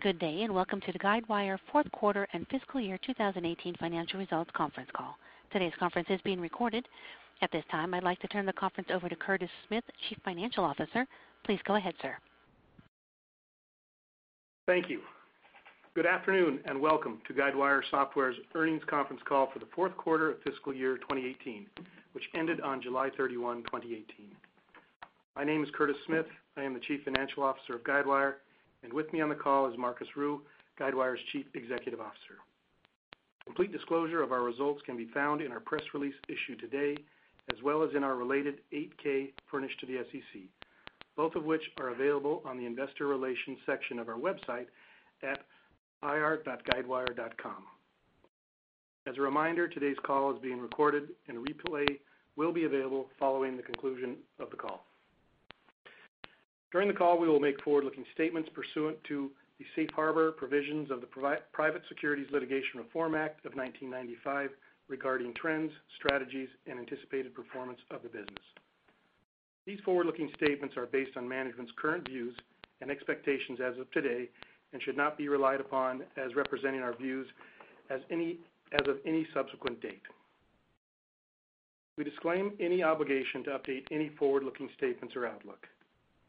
Good day, and welcome to the Guidewire Fourth Quarter and Fiscal Year 2018 Financial Results Conference Call. Today's conference is being recorded. At this time, I'd like to turn the conference over to Richard Hart, Chief Financial Officer. Please go ahead, sir. Thank you. Good afternoon, and welcome to Guidewire Software's earnings conference call for the Fourth Quarter of Fiscal Year 2018, which ended on July 31, 2018. My name is Richard Hart. I am the Chief Financial Officer of Guidewire, and with me on the call is Marcus Ryu, Guidewire's Chief Executive Officer. Complete disclosure of our results can be found in our press release issued today, as well as in our related 8-K furnished to the SEC, both of which are available on the investor relations section of our website at ir.guidewire.com. As a reminder, today's call is being recorded and a replay will be available following the conclusion of the call. During the call, we will make forward-looking statements pursuant to the Safe Harbor provisions of the Private Securities Litigation Reform Act of 1995 regarding trends, strategies, and anticipated performance of the business. These forward-looking statements are based on management's current views and expectations as of today and should not be relied upon as representing our views as of any subsequent date. We disclaim any obligation to update any forward-looking statements or outlook.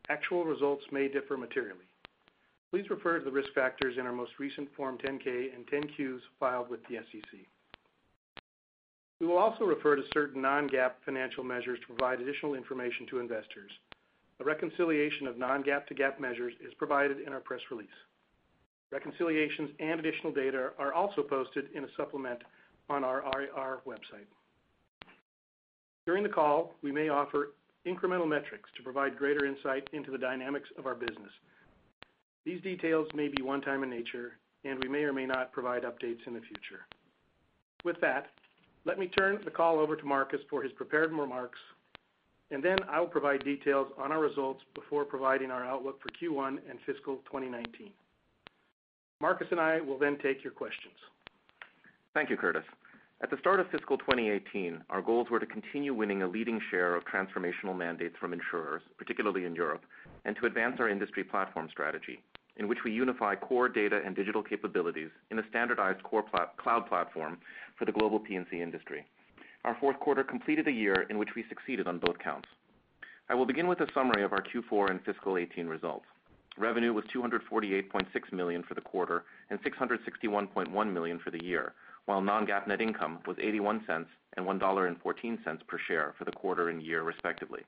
Actual results may differ materially. Please refer to the risk factors in our most recent Form 10-K and 10-Qs filed with the SEC. We will also refer to certain non-GAAP financial measures to provide additional information to investors. A reconciliation of non-GAAP to GAAP measures is provided in our press release. Reconciliations and additional data are also posted in a supplement on our IR website. During the call, we may offer incremental metrics to provide greater insight into the dynamics of our business. These details may be one-time in nature, and we may or may not provide updates in the future. With that, let me turn the call over to Marcus for his prepared remarks, and then I will provide details on our results before providing our outlook for Q1 and Fiscal 2019. Marcus and I will then take your questions. Thank you, Richard. At the start of fiscal 2018, our goals were to continue winning a leading share of transformational mandates from insurers, particularly in Europe, and to advance our industry platform strategy in which we unify core data and digital capabilities in a standardized core cloud platform for the global P&C industry. Our fourth quarter completed a year in which we succeeded on both counts. I will begin with a summary of our Q4 and fiscal 2018 results. Revenue was $248.6 million for the quarter and $661.1 million for the year, while non-GAAP net income was $0.81 and $1.14 per share for the quarter and year respectively.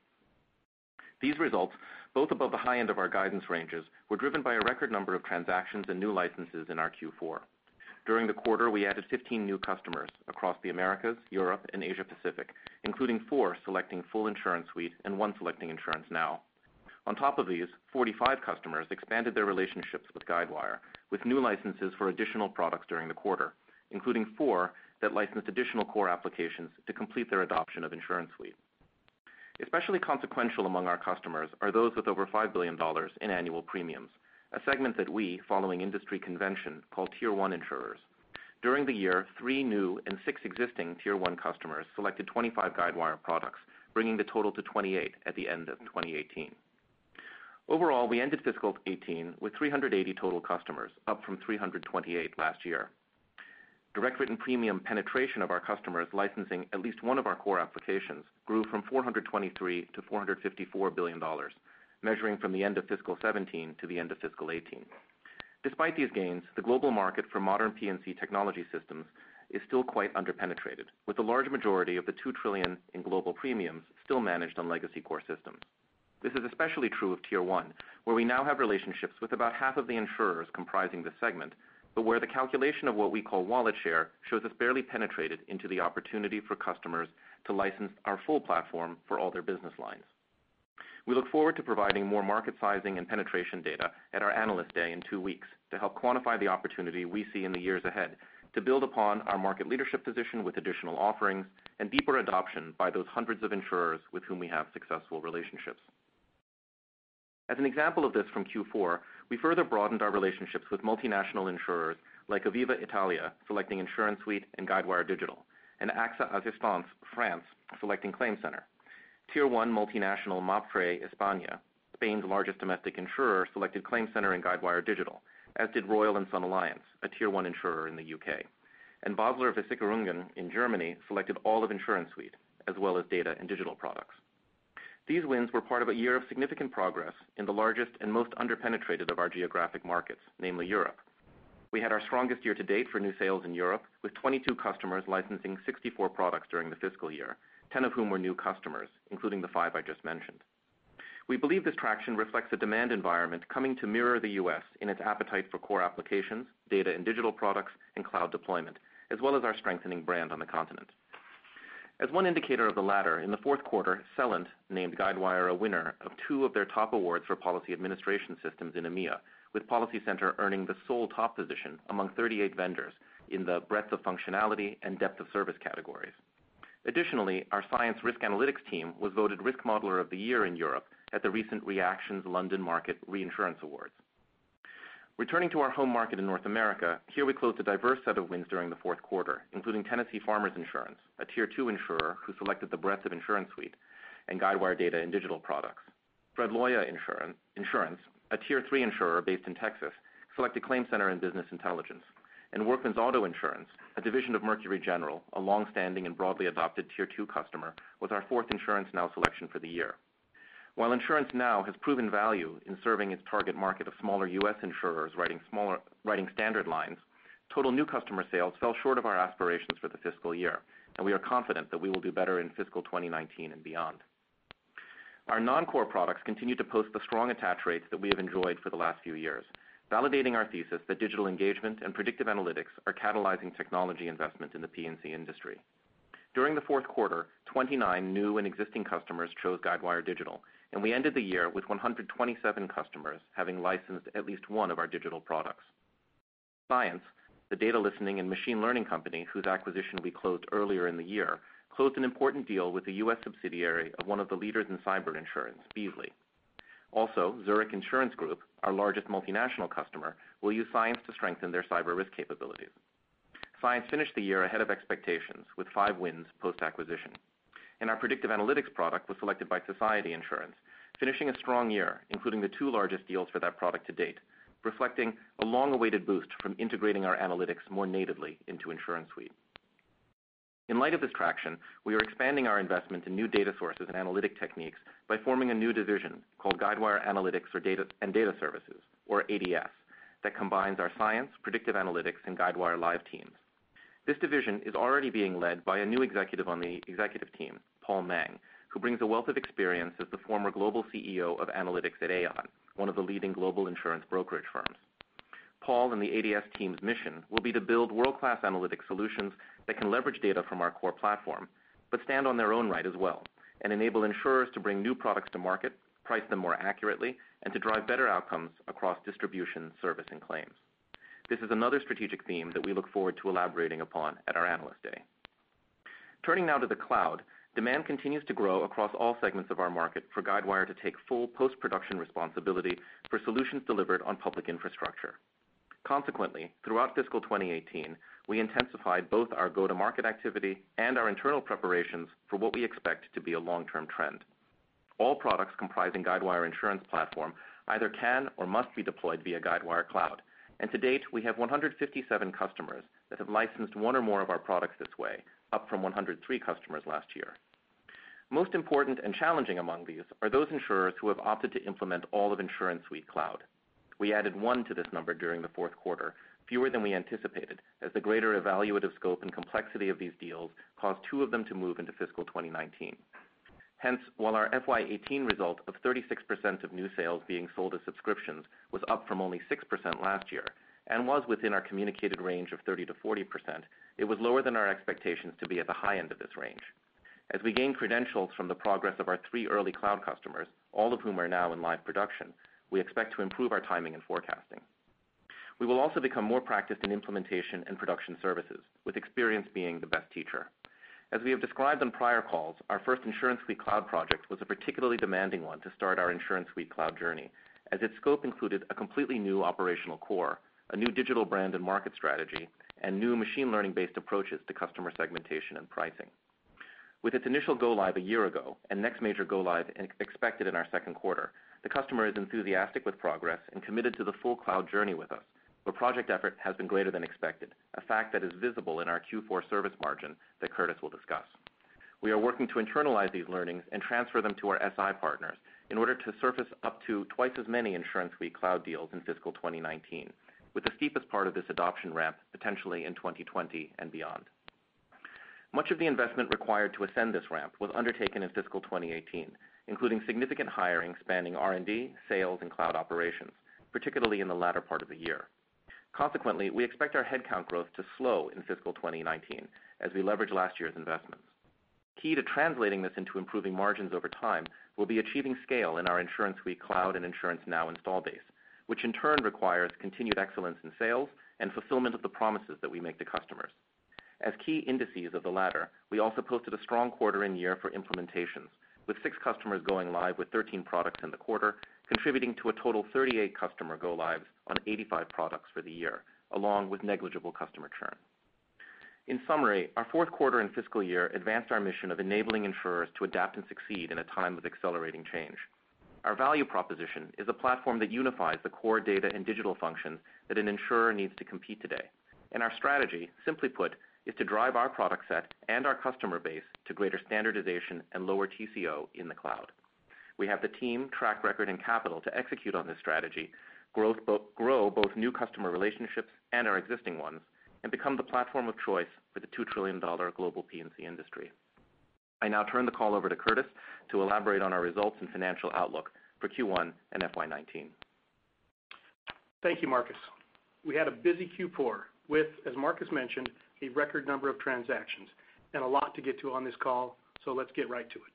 These results, both above the high end of our guidance ranges, were driven by a record number of transactions and new licenses in our Q4. During the quarter, we added 15 new customers across the Americas, Europe, and Asia-Pacific, including four selecting full InsuranceSuite and one selecting InsuranceNow. On top of these, 45 customers expanded their relationships with Guidewire with new licenses for additional products during the quarter, including four that licensed additional core applications to complete their adoption of InsuranceSuite. Especially consequential among our customers are those with over $5 billion in annual premiums, a segment that we, following industry convention, call Tier 1 insurers. During the year, three new and six existing Tier 1 customers selected 25 Guidewire products, bringing the total to 28 at the end of 2018. Overall, we ended fiscal 2018 with 380 total customers, up from 328 last year. Direct Written Premium penetration of our customers licensing at least one of our core applications grew from $423 billion-$454 billion, measuring from the end of fiscal 2017 to the end of fiscal 2018. Despite these gains, the global market for modern P&C technology systems is still quite under-penetrated, with a large majority of the $2 trillion in global premiums still managed on legacy core systems. This is especially true of Tier 1, where we now have relationships with about half of the insurers comprising this segment, but where the calculation of what we call wallet share shows it's barely penetrated into the opportunity for customers to license our full platform for all their business lines. We look forward to providing more market sizing and penetration data at our Analyst Day in two weeks to help quantify the opportunity we see in the years ahead to build upon our market leadership position with additional offerings and deeper adoption by those hundreds of insurers with whom we have successful relationships. As an example of this from Q4, we further broadened our relationships with multinational insurers like Aviva Italia, selecting InsuranceSuite and Guidewire Digital, and AXA Assistance France, selecting ClaimCenter. Tier 1 multinational Mapfre España, Spain's largest domestic insurer, selected ClaimCenter and Guidewire Digital, as did Royal & Sun Alliance, a Tier 1 insurer in the U.K. BavariaDirekt Versicherung in Germany selected all of InsuranceSuite, as well as data and digital products. These wins were part of a year of significant progress in the largest and most under-penetrated of our geographic markets, namely Europe. We had our strongest year to date for new sales in Europe, with 22 customers licensing 64 products during the fiscal year, 10 of whom were new customers, including the five I just mentioned. We believe this traction reflects a demand environment coming to mirror the U.S. in its appetite for core applications, data and digital products, and cloud deployment, as well as our strengthening brand on the continent. As one indicator of the latter, in the fourth quarter, Celent named Guidewire a winner of two of their top awards for policy administration systems in EMEA, with PolicyCenter earning the sole top position among 38 vendors in the breadth of functionality and depth of service categories. Additionally, our Cyence risk analytics team was voted Risk Modeler of the Year in Europe at the recent Reactions London Market Re/insurance Awards. Returning to our home market in North America, here we closed a diverse set of wins during the fourth quarter, including Tennessee Farmers Insurance, a Tier 2 insurer who selected the breadth of InsuranceSuite and Guidewire data and digital products. Fred Loya Insurance, a Tier 3 insurer based in Texas, selected ClaimCenter and Guidewire Business Intelligence. Workmen's Auto Insurance, a division of Mercury General, a longstanding and broadly adopted Tier 2 customer, was our fourth InsuranceNow selection for the year. While InsuranceNow has proven value in serving its target market of smaller U.S. insurers writing standard lines, total new customer sales fell short of our aspirations for the fiscal year, and we are confident that we will do better in fiscal 2019 and beyond. Our non-core products continue to post the strong attach rates that we have enjoyed for the last few years, validating our thesis that digital engagement and predictive analytics are catalyzing technology investment in the P&C industry. During the fourth quarter, 29 new and existing customers chose Guidewire Digital, and we ended the year with 127 customers having licensed at least one of our digital products. Cyence, the data listening and machine learning company whose acquisition we closed earlier in the year, closed an important deal with the U.S. subsidiary of one of the leaders in cyber insurance, Beazley. Zurich Insurance Group, our largest multinational customer, will use Cyence to strengthen their cyber risk capabilities. Cyence finished the year ahead of expectations with five wins post-acquisition, and our Predictive Analytics product was selected by Society Insurance, finishing a strong year, including the two largest deals for that product to date, reflecting a long-awaited boost from integrating our analytics more natively into InsuranceSuite. In light of this traction, we are expanding our investment in new data sources and analytic techniques by forming a new division called Guidewire Analytics and Data Services, or ADS, that combines our Cyence, Predictive Analytics, and Guidewire Live teams. This division is already being led by a new executive on the executive team, Paul Mang, who brings a wealth of experience as the former Global CEO of Analytics at Aon, one of the leading global insurance brokerage firms. Paul and the ADS team's mission will be to build world-class analytics solutions that can leverage data from our core platform but stand on their own right as well and enable insurers to bring new products to market, price them more accurately, and to drive better outcomes across distribution, service, and claims. This is another strategic theme that we look forward to elaborating upon at our Analyst Day. Turning now to the cloud, demand continues to grow across all segments of our market for Guidewire to take full post-production responsibility for solutions delivered on public infrastructure. Consequently, throughout fiscal 2018, we intensified both our go-to-market activity and our internal preparations for what we expect to be a long-term trend. All products comprising Guidewire Insurance Platform either can or must be deployed via Guidewire Cloud. To date, we have 157 customers that have licensed one or more of our products this way, up from 103 customers last year. Most important and challenging among these are those insurers who have opted to implement all of InsuranceSuite Cloud. We added one to this number during the fourth quarter, fewer than we anticipated, as the greater evaluative scope and complexity of these deals caused two of them to move into fiscal 2019. Hence, while our FY 2018 result of 36% of new sales being sold as subscriptions was up from only 6% last year and was within our communicated range of 30%-40%, it was lower than our expectations to be at the high end of this range. As we gain credentials from the progress of our three early cloud customers, all of whom are now in live production, we expect to improve our timing and forecasting. We will also become more practiced in implementation and production services, with experience being the best teacher. As we have described on prior calls, our first InsuranceSuite Cloud project was a particularly demanding one to start our InsuranceSuite Cloud journey, as its scope included a completely new operational core, a new digital brand and market strategy, and new machine learning-based approaches to customer segmentation and pricing. With its initial go-live a year ago and next major go-live expected in our second quarter, the customer is enthusiastic with progress and committed to the full cloud journey with us, but project effort has been greater than expected, a fact that is visible in our Q4 service margin that Curtis will discuss. We are working to internalize these learnings and transfer them to our SI partners in order to surface up to twice as many InsuranceSuite Cloud deals in fiscal 2019, with the steepest part of this adoption ramp potentially in 2020 and beyond. Much of the investment required to ascend this ramp was undertaken in fiscal 2018, including significant hiring spanning R&D, sales, and cloud operations, particularly in the latter part of the year. Consequently, we expect our headcount growth to slow in fiscal 2019 as we leverage last year's investments. Key to translating this into improving margins over time will be achieving scale in our InsuranceSuite Cloud and InsuranceNow install base, which in turn requires continued excellence in sales and fulfillment of the promises that we make to customers. As key indices of the latter, we also posted a strong quarter and year for implementations, with six customers going live with 13 products in the quarter, contributing to a total 38 customer go-lives on 85 products for the year, along with negligible customer churn. In summary, our fourth quarter and fiscal year advanced our mission of enabling insurers to adapt and succeed in a time of accelerating change. Our value proposition is a platform that unifies the core data and digital functions that an insurer needs to compete today. Our strategy, simply put, is to drive our product set and our customer base to greater standardization and lower TCO in the cloud. We have the team, track record, and capital to execute on this strategy, grow both new customer relationships and our existing ones, and become the platform of choice for the $2 trillion global P&C industry. I now turn the call over to Richard to elaborate on our results and financial outlook for Q1 and FY 2019. Thank you, Marcus. We had a busy Q4 with, as Marcus mentioned, a record number of transactions and a lot to get to on this call. Let's get right to it.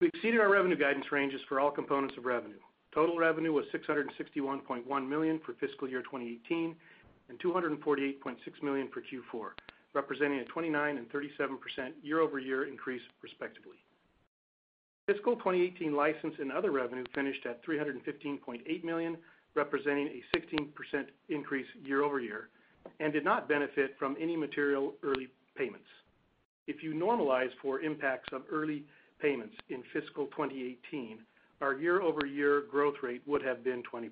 We exceeded our revenue guidance ranges for all components of revenue. Total revenue was $661.1 million for fiscal year 2018 and $248.6 million for Q4, representing a 29% and 37% year-over-year increase, respectively. Fiscal 2018 license and other revenue finished at $315.8 million, representing a 16% increase year-over-year. Did not benefit from any material early payments. If you normalize for impacts of early payments in fiscal 2018, our year-over-year growth rate would have been 20%.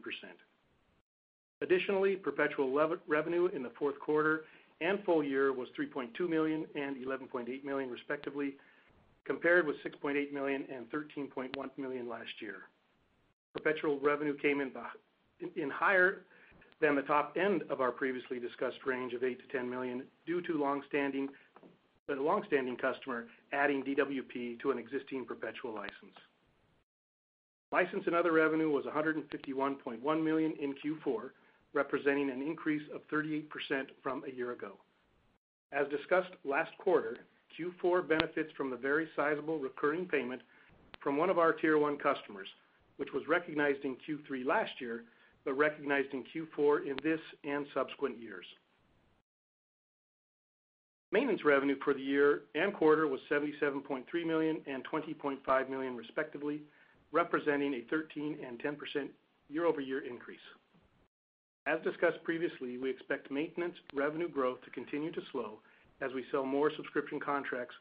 Additionally, perpetual revenue in the fourth quarter and full year was $3.2 million and $11.8 million respectively, compared with $6.8 million and $13.1 million last year. Perpetual revenue came in higher than the top end of our previously discussed range of $8 million-$10 million due to a longstanding customer adding DWP to an existing perpetual license. License and other revenue was $151.1 million in Q4, representing an increase of 38% from a year ago. As discussed last quarter, Q4 benefits from the very sizable recurring payment from one of our tier 1 customers, which was recognized in Q3 last year, but recognized in Q4 in this and subsequent years. Maintenance revenue for the year and quarter was $77.3 million and $20.5 million respectively, representing a 13% and 10% year-over-year increase. As discussed previously, we expect maintenance revenue growth to continue to slow as we sell more subscription contracts,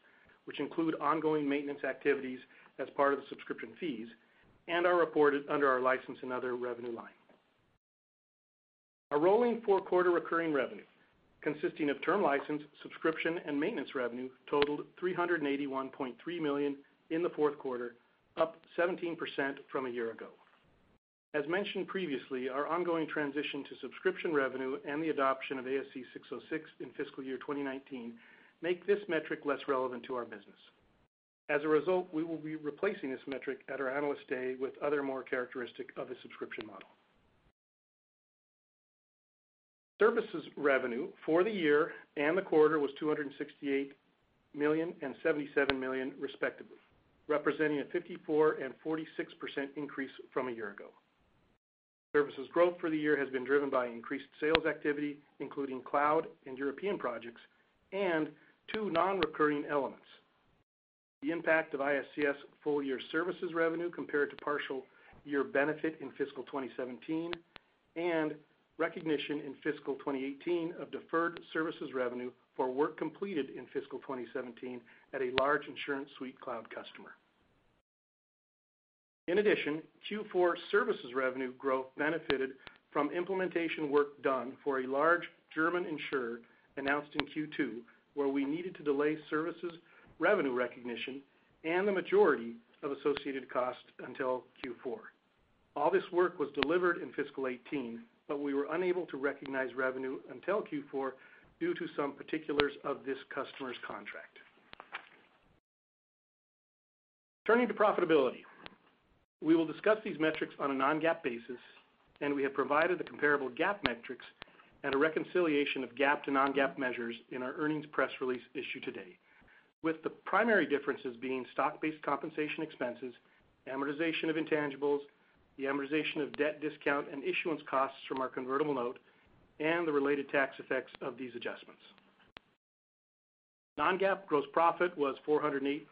which include ongoing maintenance activities as part of the subscription fees and are reported under our license and other revenue line. Our rolling four-quarter recurring revenue, consisting of term license, subscription, and maintenance revenue totaled $381.3 million in the fourth quarter, up 17% from a year ago. As mentioned previously, our ongoing transition to subscription revenue and the adoption of ASC 606 in fiscal year 2019 make this metric less relevant to our business. As a result, we will be replacing this metric at our Analyst Day with other more characteristic of the subscription model. Services revenue for the year and the quarter was $268 million and $77 million respectively, representing a 54% and 46% increase from a year ago. Services growth for the year has been driven by increased sales activity, including cloud and European projects, and two non-recurring elements. The impact of ISCS full-year services revenue compared to partial year benefit in fiscal year 2017, and recognition in fiscal year 2018 of deferred services revenue for work completed in fiscal year 2017 at a large InsuranceSuite Cloud customer. In addition, Q4 services revenue growth benefited from implementation work done for a large German insurer announced in Q2, where we needed to delay services revenue recognition and the majority of associated costs until Q4. All this work was delivered in fiscal year 2018, but we were unable to recognize revenue until Q4 due to some particulars of this customer's contract. Turning to profitability. We will discuss these metrics on a non-GAAP basis. We have provided the comparable GAAP metrics and a reconciliation of GAAP to non-GAAP measures in our earnings press release issued today, with the primary differences being stock-based compensation expenses, amortization of intangibles, the amortization of debt discount, and issuance costs from our convertible note, and the related tax effects of these adjustments. Non-GAAP gross profit was $408.6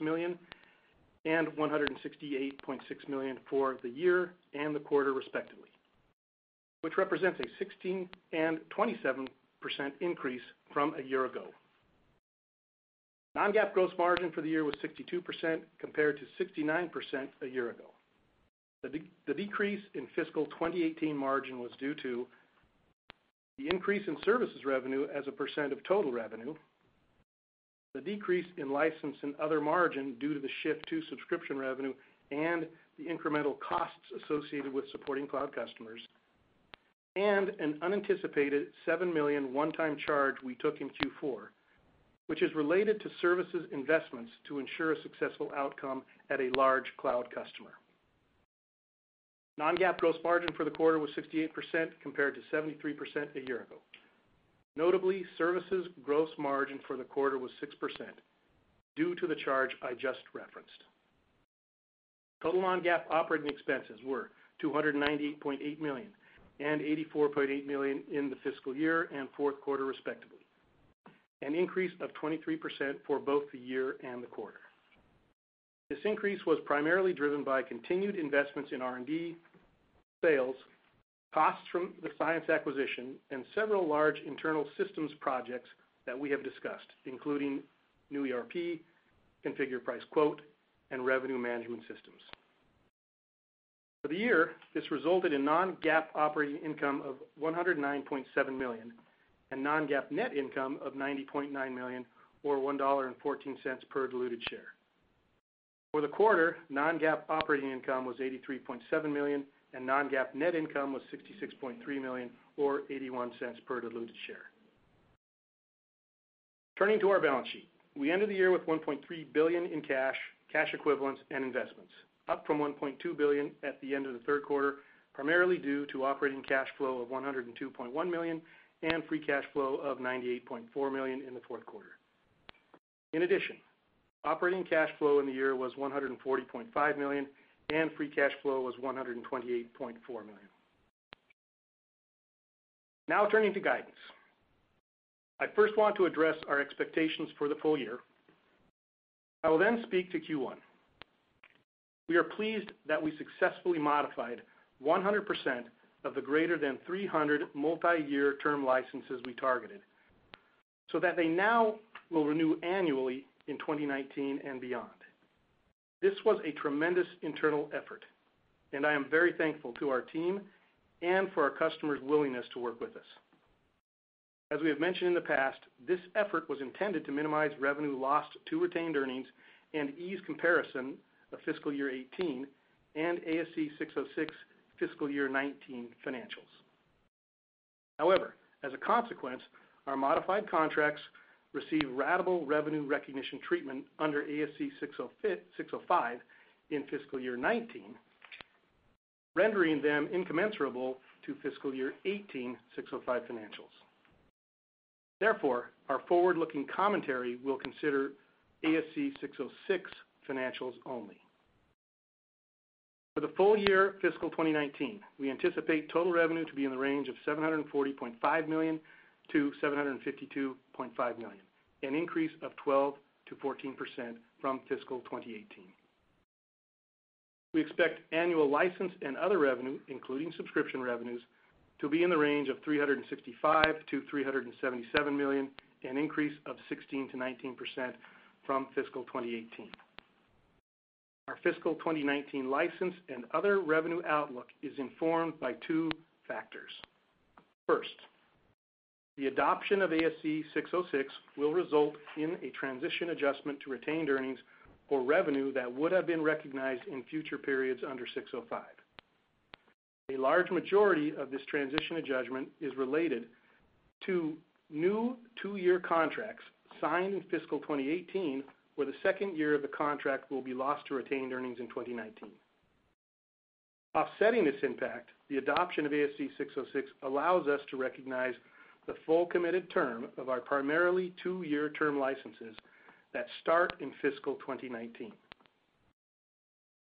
million and $168.6 million for the year and the quarter, respectively, which represents a 16% and 27% increase from a year ago. Non-GAAP gross margin for the year was 62% compared to 69% a year ago. The decrease in fiscal year 2018 margin was due to the increase in services revenue as a percent of total revenue, the decrease in license and other margin due to the shift to subscription revenue, and the incremental costs associated with supporting cloud customers, and an unanticipated $7 million one-time charge we took in Q4, which is related to services investments to ensure a successful outcome at a large cloud customer. Non-GAAP gross margin for the quarter was 68% compared to 73% a year ago. Notably, services gross margin for the quarter was 6% due to the charge I just referenced. Total non-GAAP operating expenses were $298.8 million and $84.8 million in the fiscal year and fourth quarter, respectively, an increase of 23% for both the year and the quarter. This increase was primarily driven by continued investments in R&D, sales, costs from the Cyence acquisition, and several large internal systems projects that we have discussed, including new ERP, configure price quote, and revenue management systems. For the year, this resulted in non-GAAP operating income of $109.7 million and non-GAAP net income of $90.9 million or $1.14 per diluted share. For the quarter, non-GAAP operating income was $83.7 million and non-GAAP net income was $66.3 million or $0.81 per diluted share. Turning to our balance sheet. We ended the year with $1.3 billion in cash equivalents, and investments, up from $1.2 billion at the end of the third quarter, primarily due to operating cash flow of $102.1 million and free cash flow of $98.4 million in the fourth quarter. Operating cash flow in the year was $140.5 million and free cash flow was $128.4 million. Turning to guidance. I first want to address our expectations for the full year. I will then speak to Q1. We are pleased that we successfully modified 100% of the greater than 300 multi-year term licenses we targeted, so that they now will renew annually in 2019 and beyond. This was a tremendous internal effort, and I am very thankful to our team and for our customers' willingness to work with us. As we have mentioned in the past, this effort was intended to minimize revenue lost to retained earnings and ease comparison of fiscal year 2018 and ASC 606 fiscal year 2019 financials. As a consequence, our modified contracts receive ratable revenue recognition treatment under ASC 605 in fiscal year 2019, rendering them incommensurable to fiscal year 2018 ASC 605 financials. Our forward-looking commentary will consider ASC 606 financials only. For the full year fiscal 2019, we anticipate total revenue to be in the range of $740.5 million-$752.5 million, an increase of 12%-14% from fiscal 2018. We expect annual license and other revenue, including subscription revenues, to be in the range of $365 million-$377 million, an increase of 16%-19% from fiscal 2018. Our fiscal 2019 license and other revenue outlook is informed by two factors. First, the adoption of ASC 606 will result in a transition adjustment to retained earnings or revenue that would have been recognized in future periods under ASC 605. A large majority of this transition adjustment is related to new two-year contracts signed in fiscal 2018, where the second year of the contract will be lost to retained earnings in 2019. Offsetting this impact, the adoption of ASC 606 allows us to recognize the full committed term of our primarily two-year term licenses that start in fiscal 2019.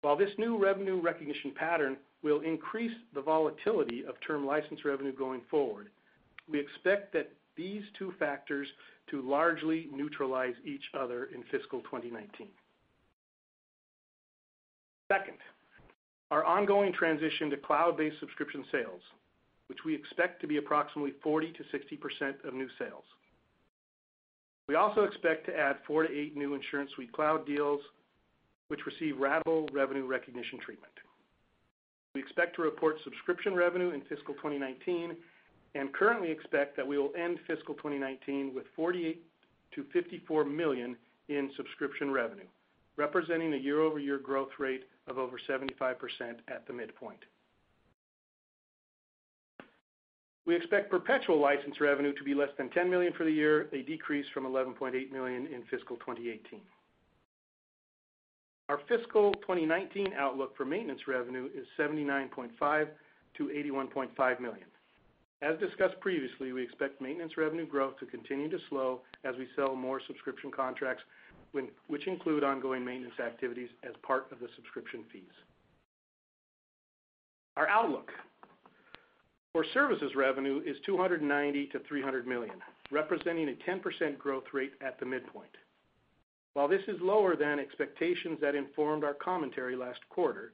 While this new revenue recognition pattern will increase the volatility of term license revenue going forward, we expect that these two factors to largely neutralize each other in fiscal 2019. Second, our ongoing transition to cloud-based subscription sales, which we expect to be approximately 40%-60% of new sales. We also expect to add four to eight new InsuranceSuite Cloud deals, which receive ratable revenue recognition treatment. We expect to report subscription revenue in fiscal 2019 and currently expect that we will end fiscal 2019 with $48 million-$54 million in subscription revenue, representing a year-over-year growth rate of over 75% at the midpoint. We expect perpetual license revenue to be less than $10 million for the year, a decrease from $11.8 million in fiscal 2018. Our fiscal 2019 outlook for maintenance revenue is $79.5 million-$81.5 million. As discussed previously, we expect maintenance revenue growth to continue to slow as we sell more subscription contracts, which include ongoing maintenance activities as part of the subscription fees. Our outlook for services revenue is $290 million-$300 million, representing a 10% growth rate at the midpoint. While this is lower than expectations that informed our commentary last quarter,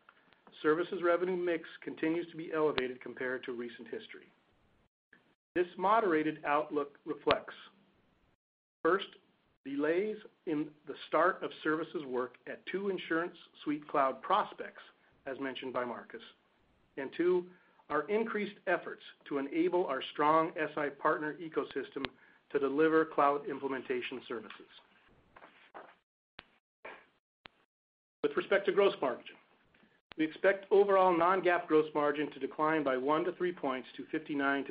services revenue mix continues to be elevated compared to recent history. This moderated outlook reflects, first, delays in the start of services work at two InsuranceSuite Cloud prospects, as mentioned by Marcus, and two, our increased efforts to enable our strong SI partner ecosystem to deliver cloud implementation services. With respect to gross margin, we expect overall non-GAAP gross margin to decline by 1-3 points to 59%-61%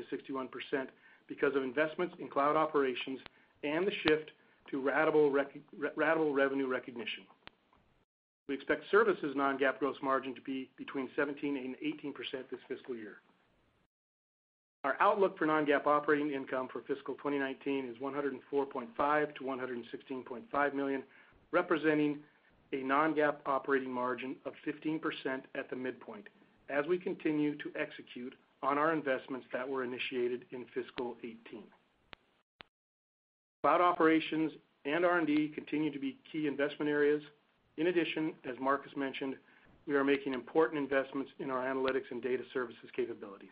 because of investments in cloud operations and the shift to ratable revenue recognition. We expect services non-GAAP gross margin to be between 17% and 18% this fiscal year. Our outlook for non-GAAP operating income for fiscal 2019 is $104.5 million-$116.5 million, representing a non-GAAP operating margin of 15% at the midpoint as we continue to execute on our investments that were initiated in fiscal 2018. Cloud operations and R&D continue to be key investment areas. In addition, as Marcus mentioned, we are making important investments in our Analytics and Data Services capabilities.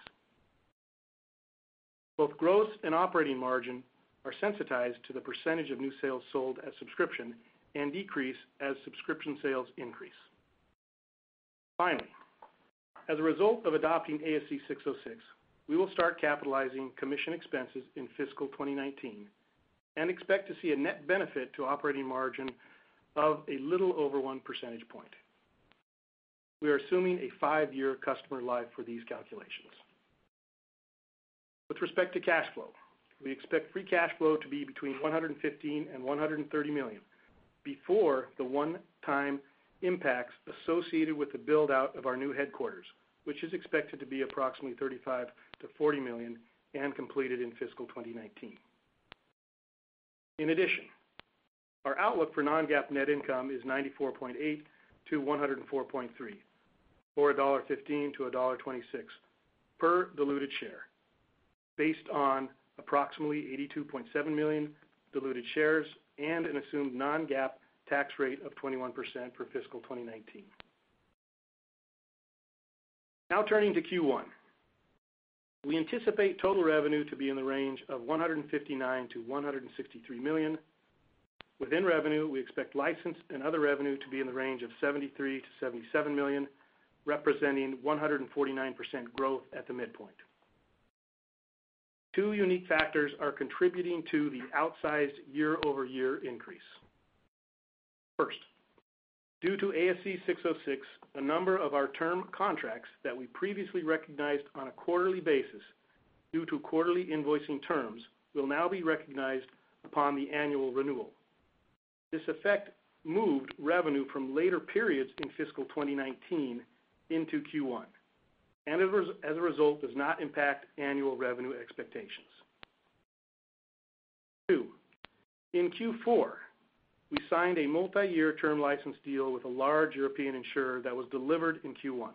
Both gross and operating margin are sensitized to the percentage of new sales sold as subscription and decrease as subscription sales increase. Finally, as a result of adopting ASC 606, we will start capitalizing commission expenses in fiscal 2019 and expect to see a net benefit to operating margin of a little over one percentage point. We are assuming a five-year customer life for these calculations. With respect to cash flow, we expect free cash flow to be between $115 million and $130 million before the one-time impacts associated with the build-out of our new headquarters, which is expected to be approximately $35 million-$40 million and completed in fiscal 2019. In addition, our outlook for non-GAAP net income is $94.8-$104.3, or $1.15-$1.26 per diluted share. Based on approximately 82.7 million diluted shares and an assumed non-GAAP tax rate of 21% for fiscal 2019. Turning to Q1. We anticipate total revenue to be in the range of $159 million-$163 million. Within revenue, we expect license and other revenue to be in the range of $73 million-$77 million, representing 149% growth at the midpoint. Two unique factors are contributing to the outsized year-over-year increase. First, due to ASC 606, a number of our term contracts that we previously recognized on a quarterly basis due to quarterly invoicing terms will now be recognized upon the annual renewal. This effect moved revenue from later periods in fiscal 2019 into Q1 and as a result, does not impact annual revenue expectations. Two, in Q4, we signed a multiyear term license deal with a large European insurer that was delivered in Q1.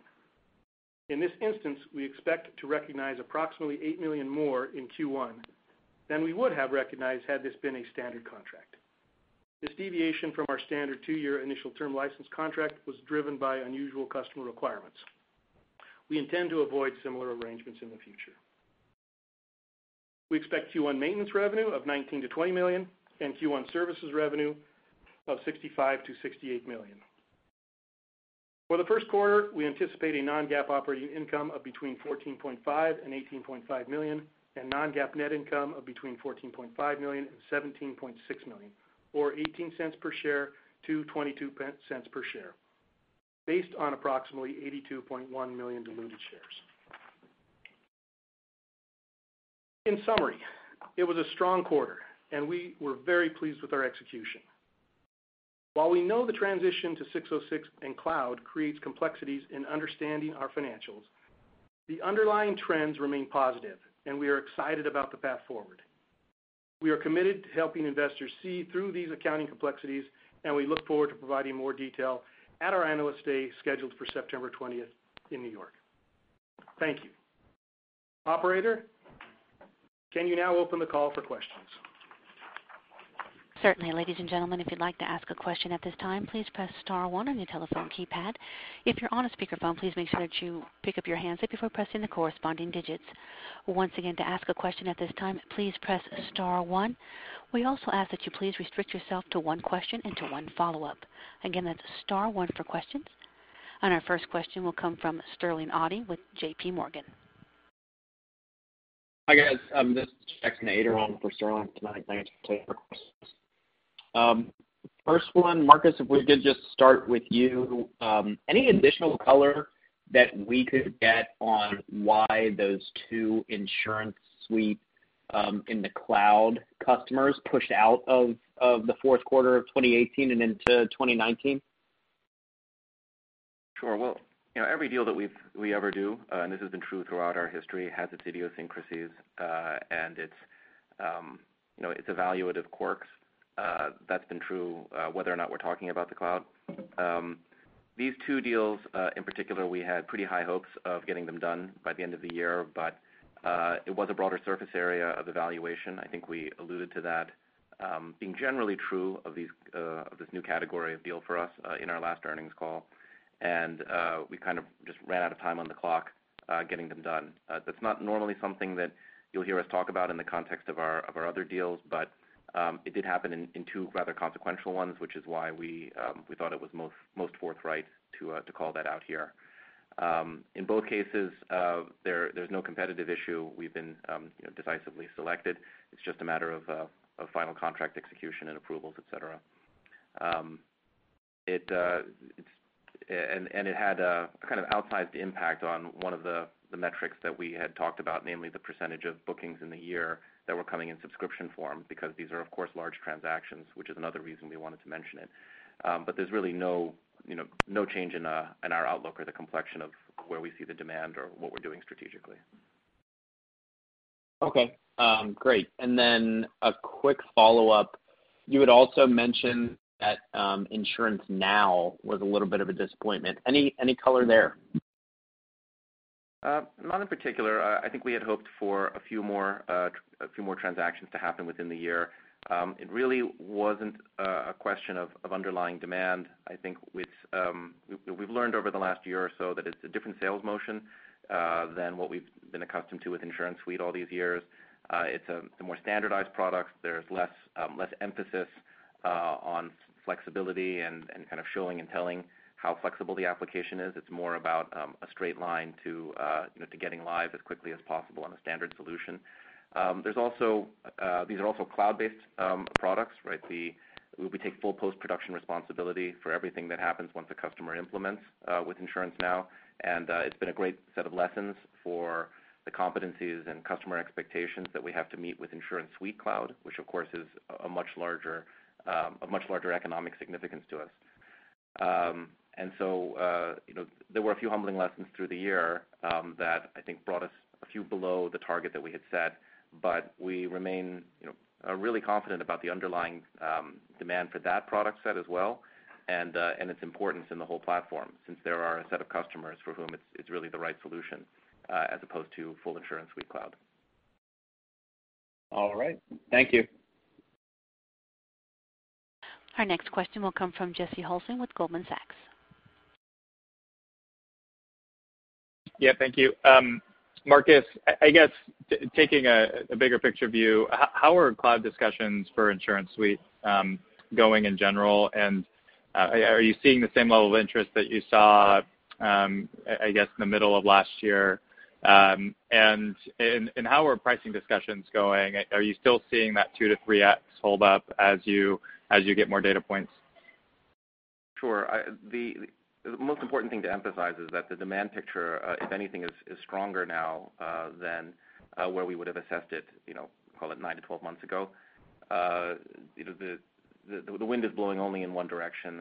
In this instance, we expect to recognize approximately $8 million more in Q1 than we would have recognized had this been a standard contract. This deviation from our standard two-year initial term license contract was driven by unusual customer requirements. We intend to avoid similar arrangements in the future. We expect Q1 maintenance revenue of $19 million-$20 million, and Q1 services revenue of $65 million-$68 million. For the first quarter, we anticipate a non-GAAP operating income of between $14.5 million and $18.5 million, and non-GAAP net income of between $14.5 million and $17.6 million, or $0.18 per share to $0.22 per share, based on approximately 82.1 million diluted shares. In summary, it was a strong quarter, and we were very pleased with our execution. While we know the transition to ASC 606 and cloud creates complexities in understanding our financials, the underlying trends remain positive, and we are excited about the path forward. We are committed to helping investors see through these accounting complexities, and we look forward to providing more detail at our Analyst Day, scheduled for September 20th in New York. Thank you. Operator, can you now open the call for questions? Certainly. Ladies and gentlemen, if you'd like to ask a question at this time, please press star one on your telephone keypad. If you're on a speakerphone, please make sure that you pick up your handset before pressing the corresponding digits. Once again, to ask a question at this time, please press star one. We also ask that you please restrict yourself to one question and to one follow-up. Again, that's star one for questions. Our first question will come from Sterling Auty with JPMorgan. Hi, guys. This is Jackson Ader on for Sterling. Thank you for taking my questions. First one, Marcus, if we could just start with you. Any additional color that we could get on why those two InsuranceSuite Cloud customers pushed out of the fourth quarter of 2018 and into 2019? Sure. Well, every deal that we ever do, and this has been true throughout our history, has its idiosyncrasies, and its evaluative quirks. That's been true whether or not we're talking about the cloud. These two deals in particular, we had pretty high hopes of getting them done by the end of the year. It was a broader surface area of evaluation. I think we alluded to that being generally true of this new category of deal for us in our last earnings call. We kind of just ran out of time on the clock getting them done. That's not normally something that you'll hear us talk about in the context of our other deals. It did happen in two rather consequential ones, which is why we thought it was most forthright to call that out here. In both cases, there's no competitive issue. We've been decisively selected. It's just a matter of final contract execution and approvals, et cetera. It had a kind of outsized impact on one of the metrics that we had talked about, namely the percentage of bookings in the year that were coming in subscription form, because these are, of course, large transactions, which is another reason we wanted to mention it. There's really no change in our outlook or the complexion of where we see the demand or what we're doing strategically. Okay. Great. Then a quick follow-up. You had also mentioned that InsuranceNow was a little bit of a disappointment. Any color there? Not in particular. I think we had hoped for a few more transactions to happen within the year. It really wasn't a question of underlying demand. I think we've learned over the last year or so that it's a different sales motion than what we've been accustomed to with InsuranceSuite all these years. It's a more standardized product. There's less emphasis on flexibility and kind of showing and telling how flexible the application is. It's more about a straight line to getting live as quickly as possible on a standard solution. These are also cloud-based products, right? We take full post-production responsibility for everything that happens once a customer implements with InsuranceNow. It's been a great set of lessons for the competencies and customer expectations that we have to meet with InsuranceSuite Cloud, which, of course, is a much larger economic significance to us. There were a few humbling lessons through the year that I think brought us a few below the target that we had set. We remain really confident about the underlying demand for that product set as well, and its importance in the whole platform, since there are a set of customers for whom it's really the right solution, as opposed to full InsuranceSuite Cloud. All right. Thank you. Our next question will come from Jesse Hulsing with Goldman Sachs. Yeah, thank you. Marcus, I guess, taking a bigger picture view, how are cloud discussions for Guidewire InsuranceSuite going in general? Are you seeing the same level of interest that you saw, I guess, in the middle of last year? How are pricing discussions going? Are you still seeing that 2x-3x hold up as you get more data points? Sure. The most important thing to emphasize is that the demand picture, if anything, is stronger now than where we would have assessed it call it 9 to 12 months ago. The wind is blowing only in one direction.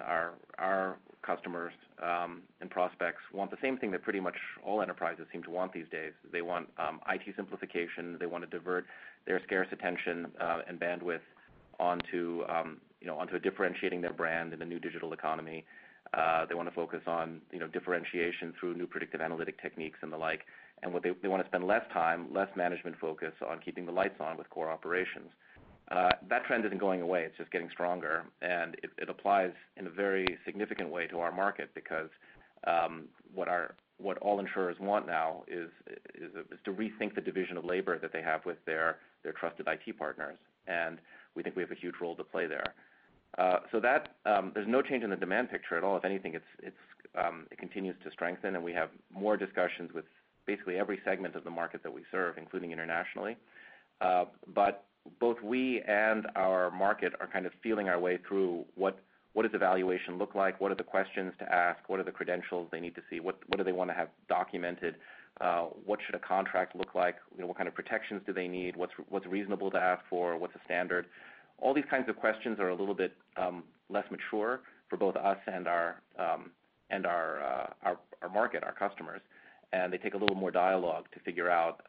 Our customers and prospects want the same thing that pretty much all enterprises seem to want these days. They want IT simplification. They want to divert their scarce attention and bandwidth onto differentiating their brand in the new digital economy. They want to focus on differentiation through new predictive analytic techniques and the like. They want to spend less time, less management focus, on keeping the lights on with core operations. That trend isn't going away, it's just getting stronger. It applies in a very significant way to our market because what all insurers want now is to rethink the division of labor that they have with their trusted IT partners. We think we have a huge role to play there. There's no change in the demand picture at all. If anything, it continues to strengthen, and we have more discussions with basically every segment of the market that we serve, including internationally. Both we and our market are kind of feeling our way through what does evaluation look like? What are the questions to ask? What are the credentials they need to see? What do they want to have documented? What should a contract look like? What kind of protections do they need? What's reasonable to ask for? What's a standard? All these kinds of questions are a little bit less mature for both us and our market, our customers. They take a little more dialogue to figure out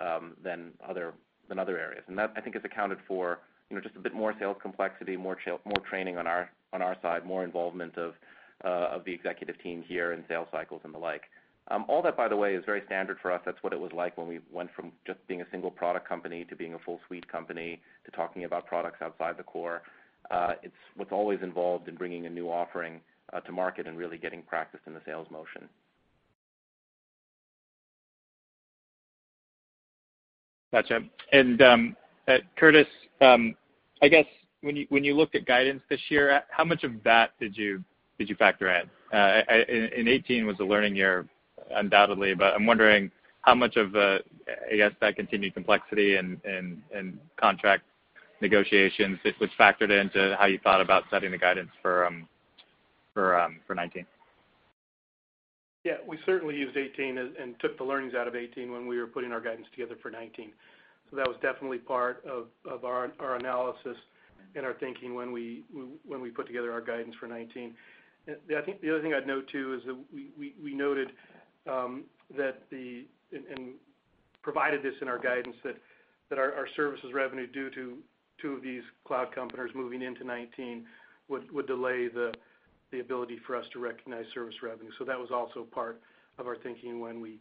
than other areas. That, I think, has accounted for just a bit more sales complexity, more training on our side, more involvement of the executive team here in sales cycles and the like. All that, by the way, is very standard for us. That's what it was like when we went from just being a single product company to being a full suite company, to talking about products outside the core. It's what's always involved in bringing a new offering to market and really getting practice in the sales motion. Got you. Richard, I guess, when you looked at guidance this year, how much of that did you factor in? 2018 was a learning year, undoubtedly, but I'm wondering how much of, I guess, that continued complexity and contract negotiations was factored into how you thought about setting the guidance for 2019. Yeah. We certainly used 2018 and took the learnings out of 2018 when we were putting our guidance together for 2019. That was definitely part of our analysis and our thinking when we put together our guidance for 2019. I think the other thing I'd note too is that we noted and provided this in our guidance that our services revenue due to two of these cloud competitors moving into 2019 would delay the ability for us to recognize service revenue. That was also part of our thinking when we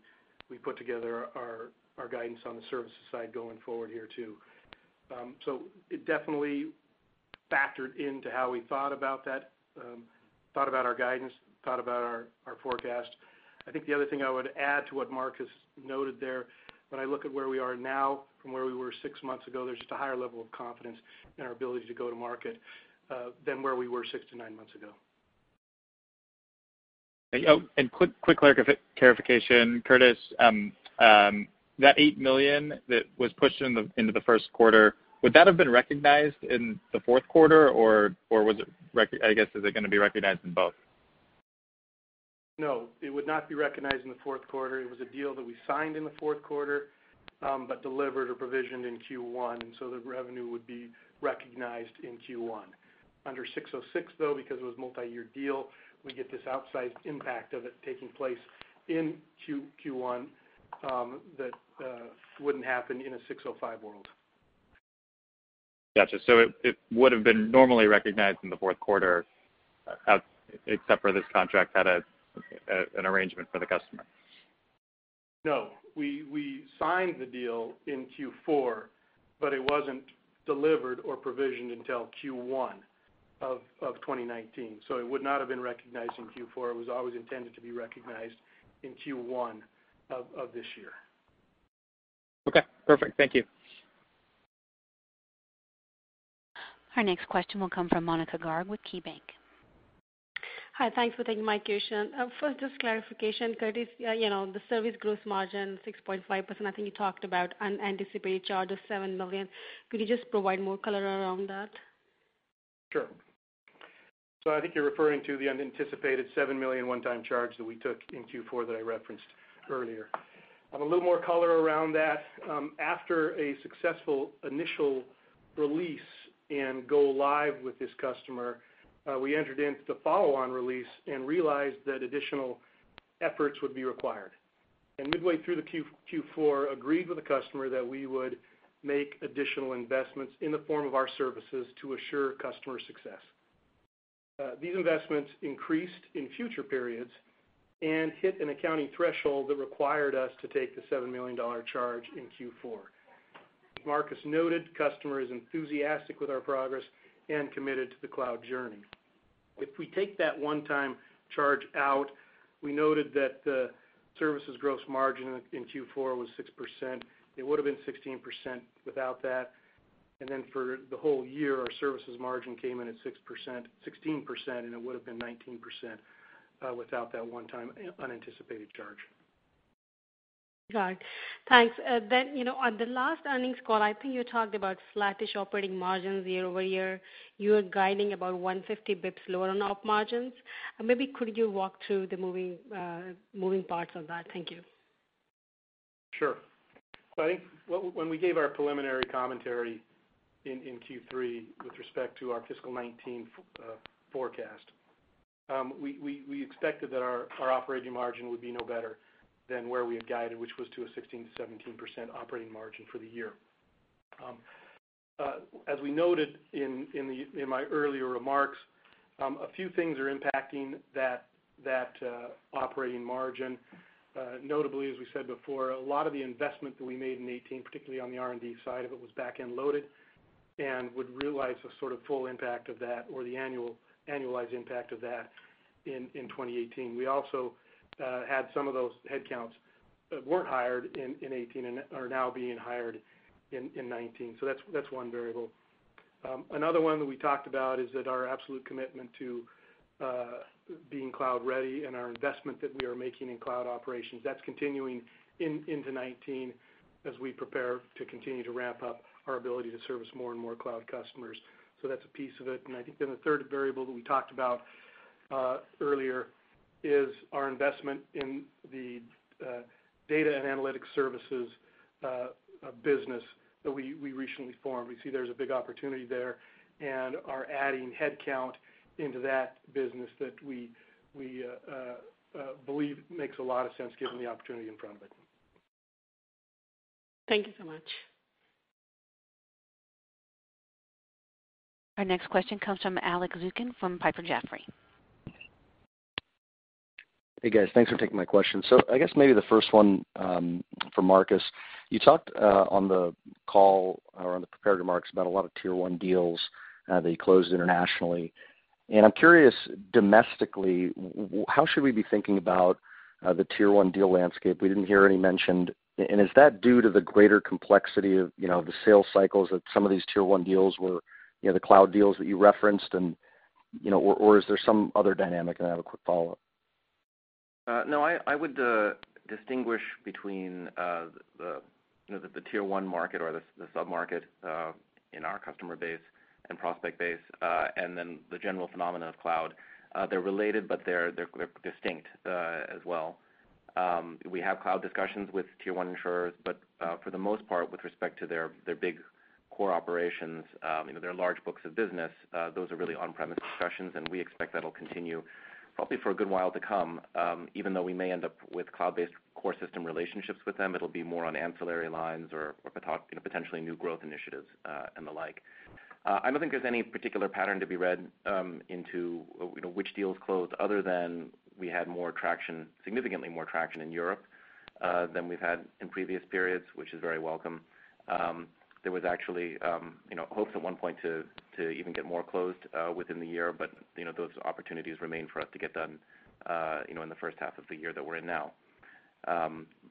put together our guidance on the services side going forward here too. It definitely factored into how we thought about that, thought about our guidance, thought about our forecast. I think the other thing I would add to what Marcus noted there, when I look at where we are now from where we were six months ago, there's just a higher level of confidence in our ability to go to market than where we were six to nine months ago. Quick clarification, Richard. That $8 million that was pushed into the first quarter, would that have been recognized in the fourth quarter, or I guess, is it going to be recognized in both? No, it would not be recognized in the fourth quarter. It was a deal that we signed in the fourth quarter but delivered or provisioned in Q1. The revenue would be recognized in Q1. Under 606, though, because it was a multi-year deal, we get this outsized impact of it taking place in Q1 that wouldn't happen in a 605 world. Got you. It would've been normally recognized in the fourth quarter except for this contract had an arrangement for the customer. No. We signed the deal in Q4, it wasn't delivered or provisioned until Q1 of 2019. It would not have been recognized in Q4. It was always intended to be recognized in Q1 of this year. Okay, perfect. Thank you. Our next question will come from Monika Garg with KeyBanc. Hi. Thanks for taking my question. First, just clarification, Curtis. The service gross margin, 6.5%, I think you talked about unanticipated charge of $7 million. Could you just provide more color around that? Sure. I think you're referring to the unanticipated $7 million one-time charge that we took in Q4 that I referenced earlier. A little more color around that. After a successful initial release and go live with this customer, we entered into the follow-on release and realized that additional efforts would be required. Midway through Q4, agreed with the customer that we would make additional investments in the form of our services to assure customer success. These investments increased in future periods and hit an accounting threshold that required us to take the $7 million charge in Q4. As Marcus noted, customer is enthusiastic with our progress and committed to the cloud journey. If we take that one-time charge out, we noted that the services gross margin in Q4 was 6%. It would've been 16% without that. For the whole year, our services margin came in at 16%, and it would've been 19% without that one-time unanticipated charge. Got it. Thanks. On the last earnings call, I think you talked about flattish operating margins year-over-year. You are guiding about 150 basis points lower on op margins. Maybe could you walk through the moving parts of that? Thank you. Sure. I think when we gave our preliminary commentary in Q3 with respect to our fiscal 2019 forecast, we expected that our operating margin would be no better than where we had guided, which was to a 16%-17% operating margin for the year. As we noted in my earlier remarks, a few things are impacting that operating margin. Notably, as we said before, a lot of the investment that we made in 2018, particularly on the R&D side of it, was back-end loaded and would realize a sort of full impact of that or the annualized impact of that in 2018. We also had some of those headcounts that weren't hired in 2018 and are now being hired in 2019. That's one variable. Another one that we talked about is that our absolute commitment to being cloud ready and our investment that we are making in cloud operations, that's continuing into 2019 as we prepare to continue to ramp up our ability to service more and more cloud customers. That's a piece of it. I think the third variable that we talked about earlier is our investment in the Guidewire Analytics and Data Services business that we recently formed. We see there's a big opportunity there and are adding headcount into that business that we believe makes a lot of sense given the opportunity in front of it. Thank you so much. Our next question comes from Alex Zukin from Piper Jaffray. Hey, guys. Thanks for taking my question. I guess maybe the first one for Marcus. You talked on the call or on the prepared remarks about a lot of Tier 1 deals that you closed internationally. I'm curious, domestically, how should we be thinking about the Tier 1 deal landscape? We didn't hear any mentioned. Is that due to the greater complexity of the sales cycles that some of these Tier 1 deals were the cloud deals that you referenced, or is there some other dynamic? I have a quick follow-up. No, I would distinguish between the Tier 1 market or the sub-market in our customer base and prospect base, and then the general phenomenon of cloud. They're related, but they're distinct as well. We have cloud discussions with Tier 1 insurers, but for the most part, with respect to their big core operations, their large books of business, those are really on-premise discussions, and we expect that'll continue probably for a good while to come. Even though we may end up with cloud-based core system relationships with them, it'll be more on ancillary lines or potentially new growth initiatives and the like. I don't think there's any particular pattern to be read into which deals closed other than we had significantly more traction in Europe than we've had in previous periods, which is very welcome. There was actually hopes at one point to even get more closed within the year, those opportunities remain for us to get done in the first half of the year that we're in now.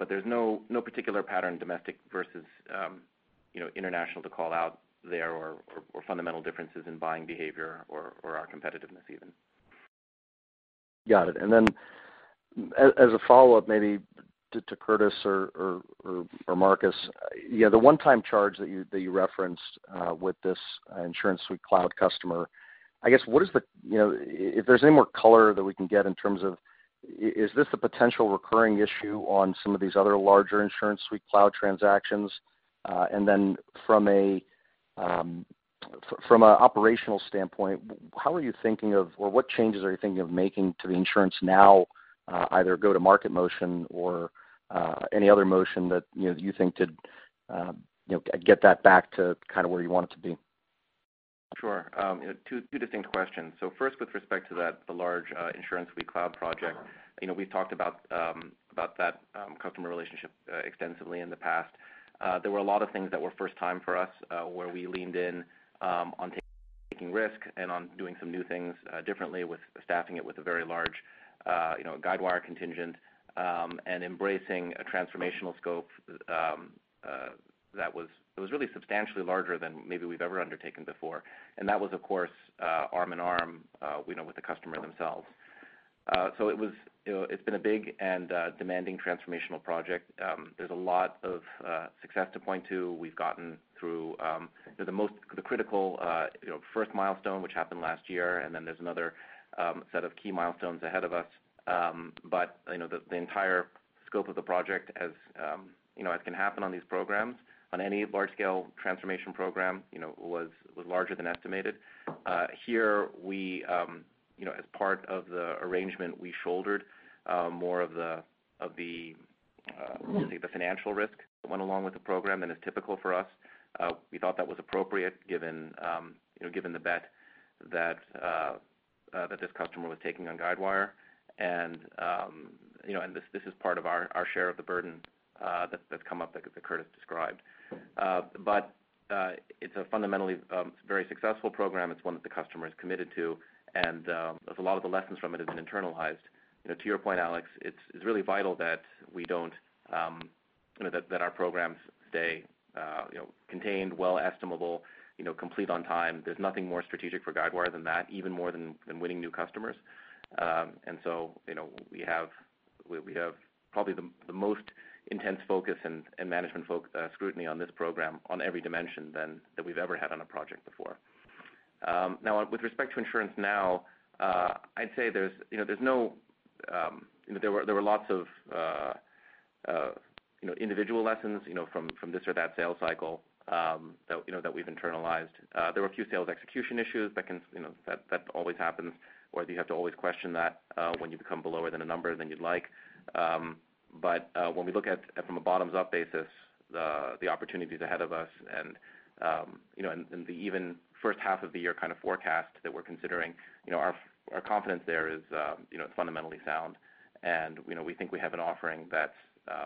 There's no particular pattern, domestic versus international to call out there or fundamental differences in buying behavior or our competitiveness even. Got it. As a follow-up, maybe to Richard or Marcus, the one-time charge that you referenced with this InsuranceSuite Cloud customer, if there's any more color that we can get in terms of, is this a potential recurring issue on some of these other larger InsuranceSuite Cloud transactions? From an operational standpoint, how are you thinking of or what changes are you thinking of making to the InsuranceNow, either go-to-market motion or any other motion that you think to get that back to where you want it to be? Sure. Two distinct questions. First, with respect to the large InsuranceSuite Cloud project. We've talked about that customer relationship extensively in the past. There were a lot of things that were first-time for us where we leaned in on taking risk and on doing some new things differently with staffing it with a very large Guidewire contingent and embracing a transformational scope that was really substantially larger than maybe we've ever undertaken before. That was, of course, arm in arm with the customer themselves. It's been a big and demanding transformational project. There's a lot of success to point to. We've gotten through the critical first milestone, which happened last year, There's another set of key milestones ahead of us. The entire scope of the project, as can happen on these programs, on any large-scale transformation program, was larger than estimated. Here, as part of the arrangement, we shouldered more of. The financial risk that went along with the program, and is typical for us. We thought that was appropriate given the bet that this customer was taking on Guidewire and this is part of our share of the burden that's come up, like Richard described. It's a fundamentally very successful program. It's one that the customer is committed to, and a lot of the lessons from it have been internalized. To your point, Alex, it's really vital that our programs stay contained, well-estimable, complete on time. There's nothing more strategic for Guidewire than that, even more than winning new customers. We have probably the most intense focus and management scrutiny on this program on every dimension than we've ever had on a project before. With respect to InsuranceNow, I'd say there were lots of individual lessons from this or that sales cycle that we've internalized. There were a few sales execution issues that always happens, or that you have to always question that when you come below a number than you'd like. When we look at it from a bottoms-up basis, the opportunities ahead of us and the even first half of the year kind of forecast that we're considering, our confidence there is fundamentally sound. We think we have an offering that's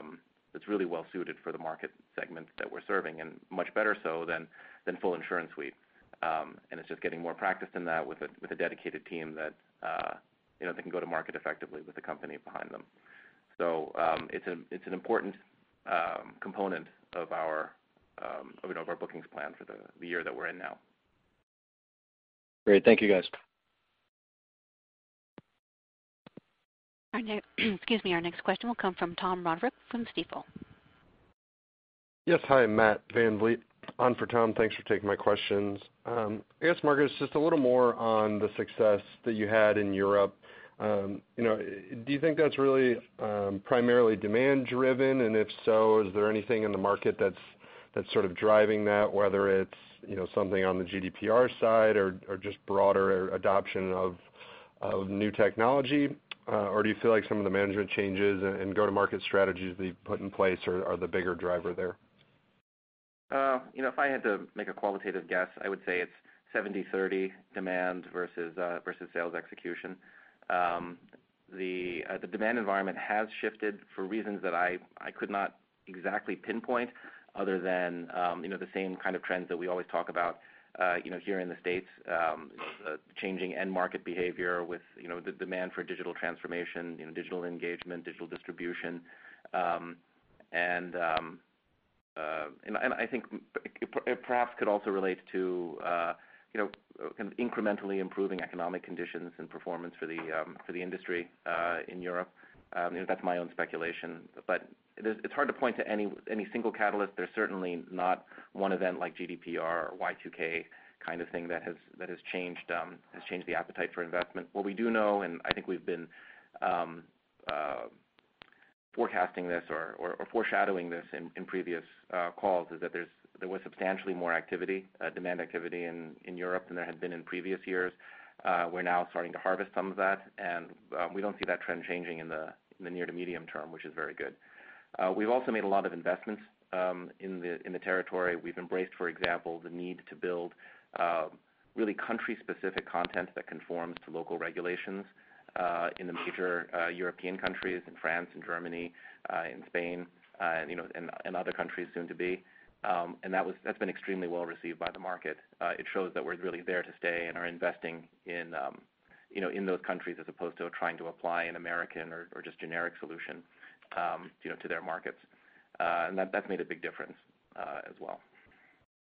really well-suited for the market segments that we're serving and much better so than full InsuranceSuite. It's just getting more practice in that with a dedicated team that they can go to market effectively with the company behind them. It's an important component of our bookings plan for the year that we're in now. Great. Thank you guys. Our next question will come from Tom Roderick from Stifel. Hi, Matt Van Vliet on for Tom. Thanks for taking my questions. I guess, Marcus, just a little more on the success that you had in Europe. Do you think that's really primarily demand-driven? If so, is there anything in the market that's sort of driving that, whether it's something on the GDPR side or just broader adoption of new technology? Do you feel like some of the management changes and go-to-market strategies that you've put in place are the bigger driver there? If I had to make a qualitative guess, I would say it's 70/30 demand versus sales execution. The demand environment has shifted for reasons that I could not exactly pinpoint other than the same kind of trends that we always talk about here in the U.S. Changing end market behavior with the demand for digital transformation, digital engagement, digital distribution. I think it perhaps could also relate to incrementally improving economic conditions and performance for the industry in Europe. That's my own speculation, but it's hard to point to any single catalyst. There's certainly not one event like GDPR or Y2K kind of thing that has changed the appetite for investment. What we do know, and I think we've been forecasting this or foreshadowing this in previous calls, is that there was substantially more demand activity in Europe than there had been in previous years. We're now starting to harvest some of that, we don't see that trend changing in the near to medium term, which is very good. We've also made a lot of investments in the territory. We've embraced, for example, the need to build really country-specific content that conforms to local regulations in the major European countries, in France and Germany, in Spain, other countries soon to be. That's been extremely well-received by the market. It shows that we're really there to stay and are investing in those countries as opposed to trying to apply an American or just generic solution to their markets. That's made a big difference as well.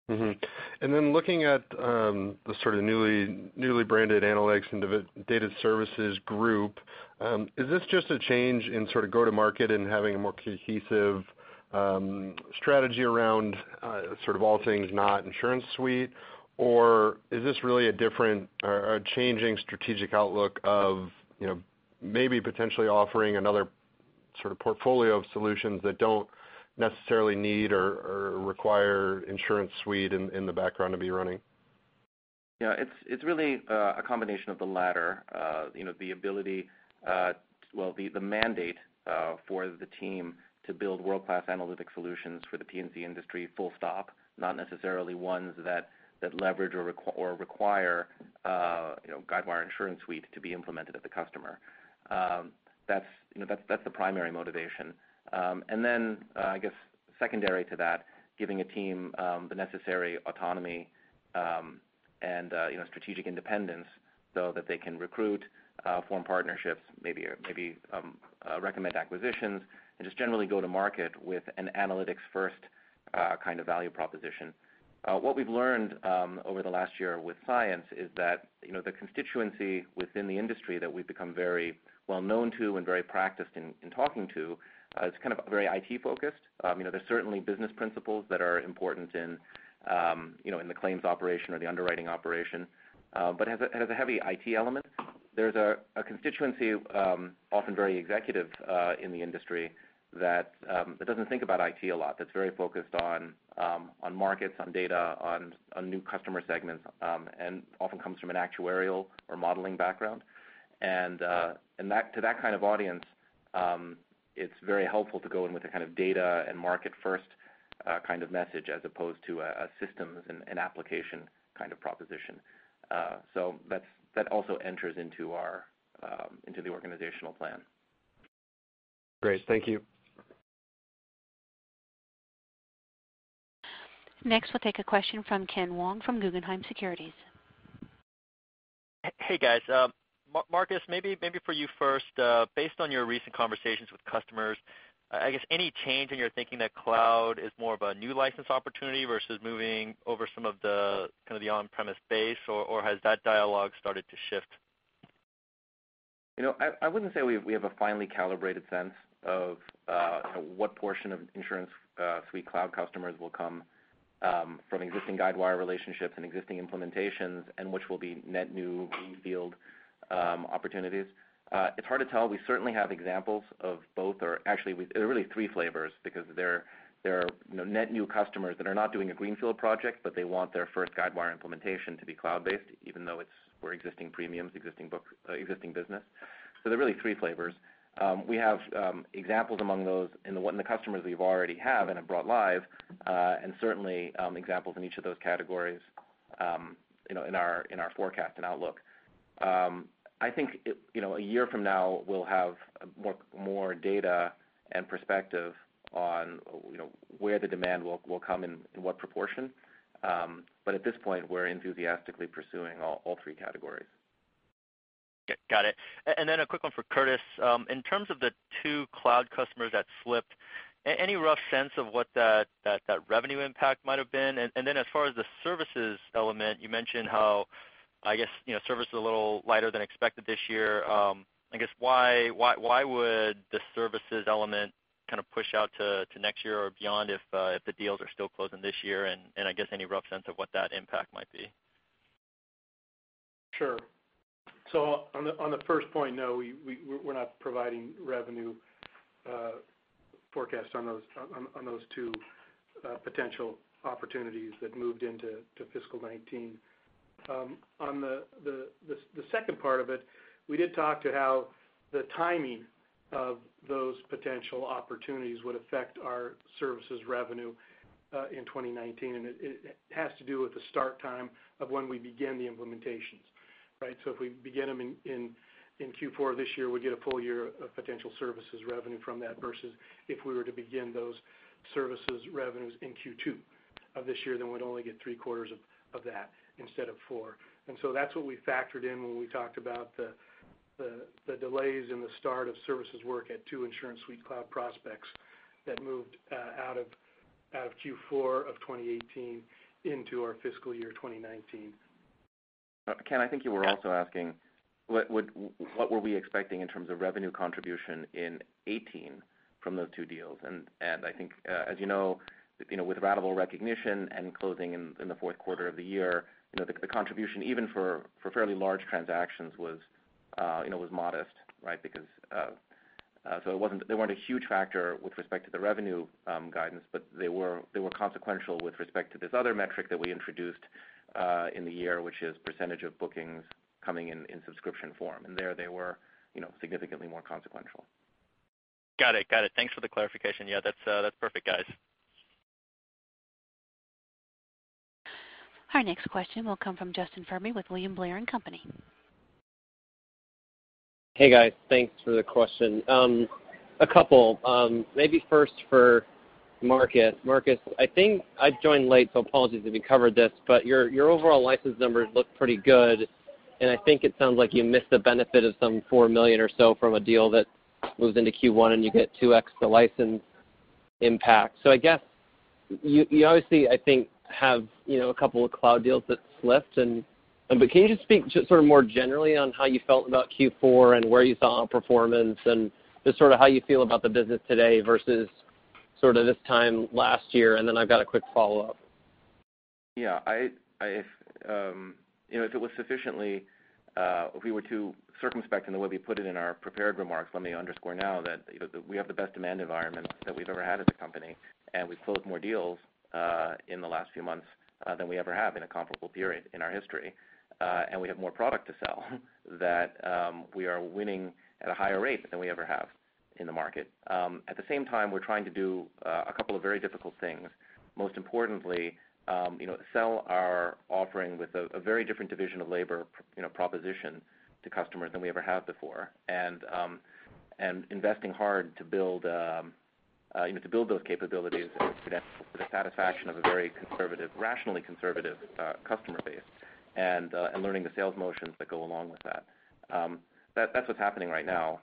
Looking at the sort of newly branded Analytics and Data Services group, is this just a change in sort of go to market and having a more cohesive strategy around sort of all things not InsuranceSuite? Or is this really a different or a changing strategic outlook of maybe potentially offering another sort of portfolio of solutions that don't necessarily need or require InsuranceSuite in the background to be running? It's really a combination of the latter. The mandate for the team to build world-class analytic solutions for the P&C industry, full stop, not necessarily ones that leverage or require Guidewire InsuranceSuite to be implemented at the customer. That's the primary motivation. Then, I guess secondary to that, giving a team the necessary autonomy and strategic independence so that they can recruit, form partnerships, maybe recommend acquisitions, and just generally go to market with an analytics-first kind of value proposition. What we've learned over the last year with Cyence is that the constituency within the industry that we've become very well-known to and very practiced in talking to is kind of very IT-focused. There's certainly business principles that are important in the claims operation or the underwriting operation, but it has a heavy IT element. There's a constituency, often very executive in the industry, that doesn't think about IT a lot, that's very focused on markets, on data, on new customer segments, and often comes from an actuarial or modeling background. To that kind of audience, it's very helpful to go in with a kind of data and market first kind of message as opposed to a systems and application kind of proposition. That also enters into the organizational plan. Great. Thank you. Next, we'll take a question from Ken Wong from Guggenheim Securities. Hey, guys. Marcus, maybe for you first, based on your recent conversations with customers, I guess any change in your thinking that cloud is more of a new license opportunity versus moving over some of the on-premise base, or has that dialogue started to shift? I wouldn't say we have a finely calibrated sense of what portion of InsuranceSuite Cloud customers will come from existing Guidewire relationships and existing implementations, and which will be net new greenfield opportunities. It's hard to tell. We certainly have examples of both, or actually, there are really three flavors because there are net new customers that are not doing a greenfield project, but they want their first Guidewire implementation to be cloud-based, even though it's for existing premiums, existing book, existing business. There are really three flavors. We have examples among those in the customers we already have and have brought live, and certainly examples in each of those categories in our forecast and outlook. I think a year from now, we'll have more data and perspective on where the demand will come in what proportion. At this point, we're enthusiastically pursuing all three categories. Got it. A quick one for Curtis. In terms of the two cloud customers that slipped, any rough sense of what that revenue impact might have been? As far as the services element, you mentioned how, I guess, service is a little lighter than expected this year. I guess why would the services element kind of push out to next year or beyond if the deals are still closing this year? I guess any rough sense of what that impact might be? Sure. On the first point, no, we're not providing revenue forecast on those two potential opportunities that moved into fiscal 2019. On the second part of it, we did talk to how the timing of those potential opportunities would affect our services revenue in 2019. It has to do with the start time of when we begin the implementations, right? If we begin them in Q4 this year, we get a full year of potential services revenue from that, versus if we were to begin those services revenues in Q2 of this year, then we'd only get three-quarters of that instead of four. That's what we factored in when we talked about the delays in the start of services work at two InsuranceSuite Cloud prospects that moved out of Q4 of 2018 into our fiscal year 2019. Ken, I think you were also asking what were we expecting in terms of revenue contribution in 2018 from those two deals? I think, as you know, with ratable recognition and closing in the fourth quarter of the year, the contribution, even for fairly large transactions was modest, right? They weren't a huge factor with respect to the revenue guidance, but they were consequential with respect to this other metric that we introduced in the year, which is % of bookings coming in in subscription form. There they were significantly more consequential. Got it. Thanks for the clarification. Yeah, that's perfect, guys. Our next question will come from Justin Furby with William Blair & Company. Hey, guys. Thanks for the question. A couple. Maybe first for Marcus. Marcus, I think I joined late, so apologies if you covered this. Your overall license numbers look pretty good. I think it sounds like you missed the benefit of some $4 million or so from a deal that moves into Q1 and you get 2x the license impact. I guess you obviously, I think, have a couple of cloud deals that slipped. Can you just speak sort of more generally on how you felt about Q4 and where you saw outperformance and just sort of how you feel about the business today versus sort of this time last year? Then I've got a quick follow-up. Yeah. If we were to circumspect in the way we put it in our prepared remarks, let me underscore now that we have the best demand environment that we've ever had as a company. We've closed more deals in the last few months than we ever have in a comparable period in our history. We have more product to sell that we are winning at a higher rate than we ever have in the market. At the same time, we're trying to do a couple of very difficult things. Most importantly, sell our offering with a very different division of labor proposition to customers than we ever have before. Investing hard to build those capabilities and credentials for the satisfaction of a very rationally conservative customer base and learning the sales motions that go along with that. That's what's happening right now.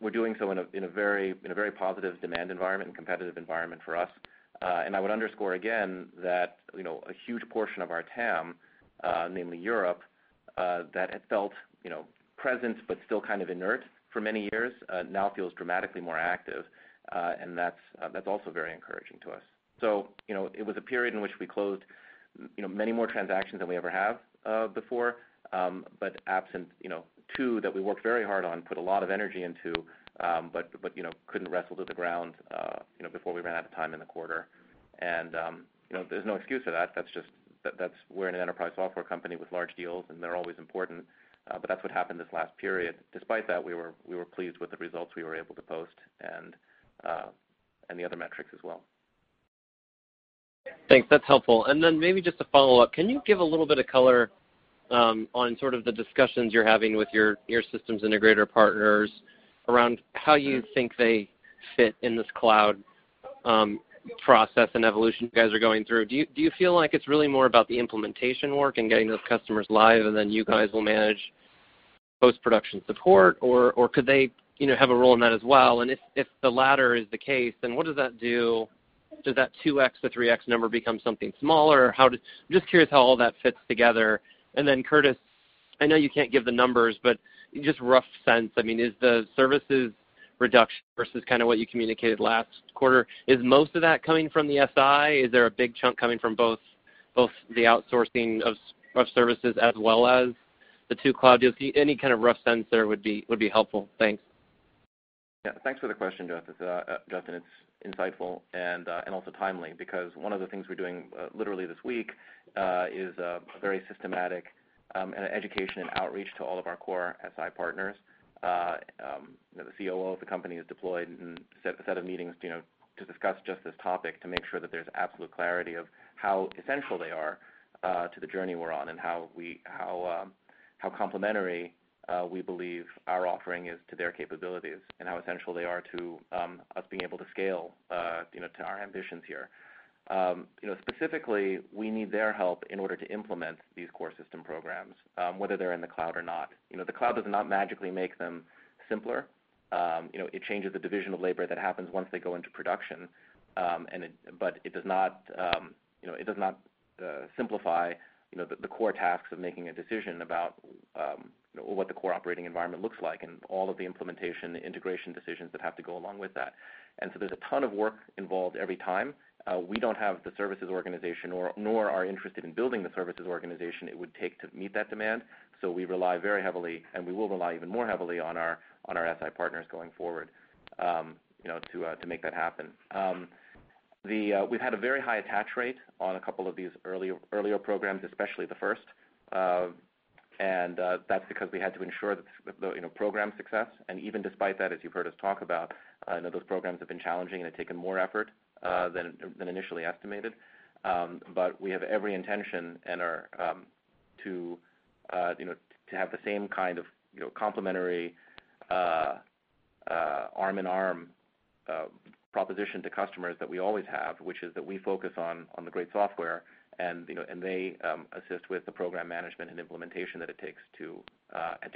We're doing so in a very positive demand environment and competitive environment for us. I would underscore again that a huge portion of our TAM, namely Europe, that had felt presence but still kind of inert for many years, now feels dramatically more active. That's also very encouraging to us. It was a period in which we closed many more transactions than we ever have before. Absent two that we worked very hard on, put a lot of energy into, but couldn't wrestle to the ground before we ran out of time in the quarter. There's no excuse for that. We're an enterprise software company with large deals, and they're always important, but that's what happened this last period. Despite that, we were pleased with the results we were able to post and the other metrics as well. Thanks. That's helpful. Maybe just a follow-up. Can you give a little bit of color on sort of the discussions you're having with your systems integrator partners around how you think they fit in this cloud process and evolution you guys are going through? Do you feel like it's really more about the implementation work and getting those customers live, and then you guys will manage post-production support? Or could they have a role in that as well? If the latter is the case, then what does that do? Does that 2X to 3X number become something smaller? I'm just curious how all that fits together. Then Curtis, I know you can't give the numbers, but just rough sense, is the services reduction versus kind of what you communicated last quarter, is most of that coming from the SI? Is there a big chunk coming from both the outsourcing of services as well as the two cloud deals? Any kind of rough sense there would be helpful. Thanks. Yeah. Thanks for the question, Justin. It's insightful and also timely because one of the things we're doing literally this week is a very systematic education and outreach to all of our core SI partners. The COO of the company is deployed and set a set of meetings to discuss just this topic to make sure that there's absolute clarity of how essential they are to the journey we're on, and how complementary we believe our offering is to their capabilities, and how essential they are to us being able to scale to our ambitions here. Specifically, we need their help in order to implement these core system programs, whether they're in the cloud or not. The cloud does not magically make them simpler. It changes the division of labor that happens once they go into production, but it does not simplify the core tasks of making a decision about what the core operating environment looks like and all of the implementation, the integration decisions that have to go along with that. There's a ton of work involved every time. We don't have the services organization, nor are interested in building the services organization it would take to meet that demand, so we rely very heavily, and we will rely even more heavily on our SI partners going forward to make that happen. We've had a very high attach rate on a couple of these earlier programs, especially the first, and that's because we had to ensure the program success. Even despite that, as you've heard us talk about, those programs have been challenging and have taken more effort than initially estimated. We have every intention to have the same kind of complementary arm-in-arm proposition to customers that we always have, which is that we focus on the great software, and they assist with the program management and implementation that it takes to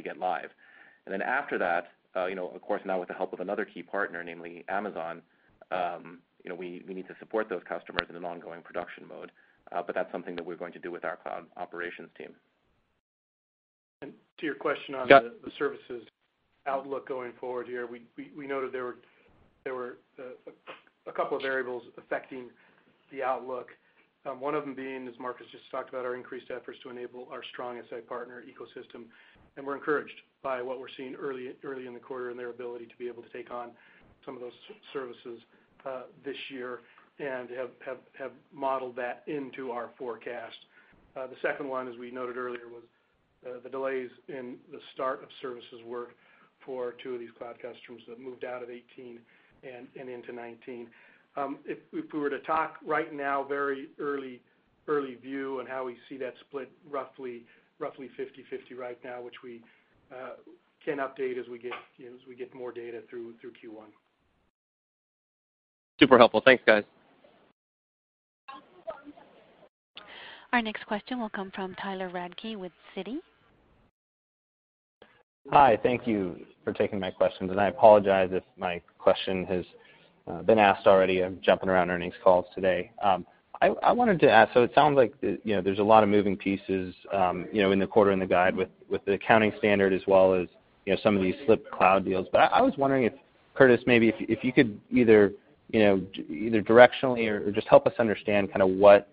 get live. Then after that, of course now with the help of another key partner, namely Amazon, we need to support those customers in an ongoing production mode. That's something that we're going to do with our cloud operations team. To your question on the services outlook going forward here, we noted there were a couple of variables affecting the outlook. One of them being, as Mark has just talked about, our increased efforts to enable our strong SI partner ecosystem. We're encouraged by what we're seeing early in the quarter and their ability to be able to take on some of those services this year and have modeled that into our forecast. The second one, as we noted earlier, was the delays in the start of services work for two of these cloud customers that moved out of 2018 and into 2019. If we were to talk right now, very early view on how we see that split roughly 50/50 right now, which we can update as we get more data through Q1. Super helpful. Thanks, guys. Our next question will come from Tyler Radke with Citi. Hi. Thank you for taking my questions, and I apologize if my question has been asked already. I'm jumping around earnings calls today. I wanted to ask, it sounds like there's a lot of moving pieces in the quarter and the guide with the accounting standard as well as some of these slipped cloud deals. I was wondering if, Curtis, maybe if you could either directionally or just help us understand kind of what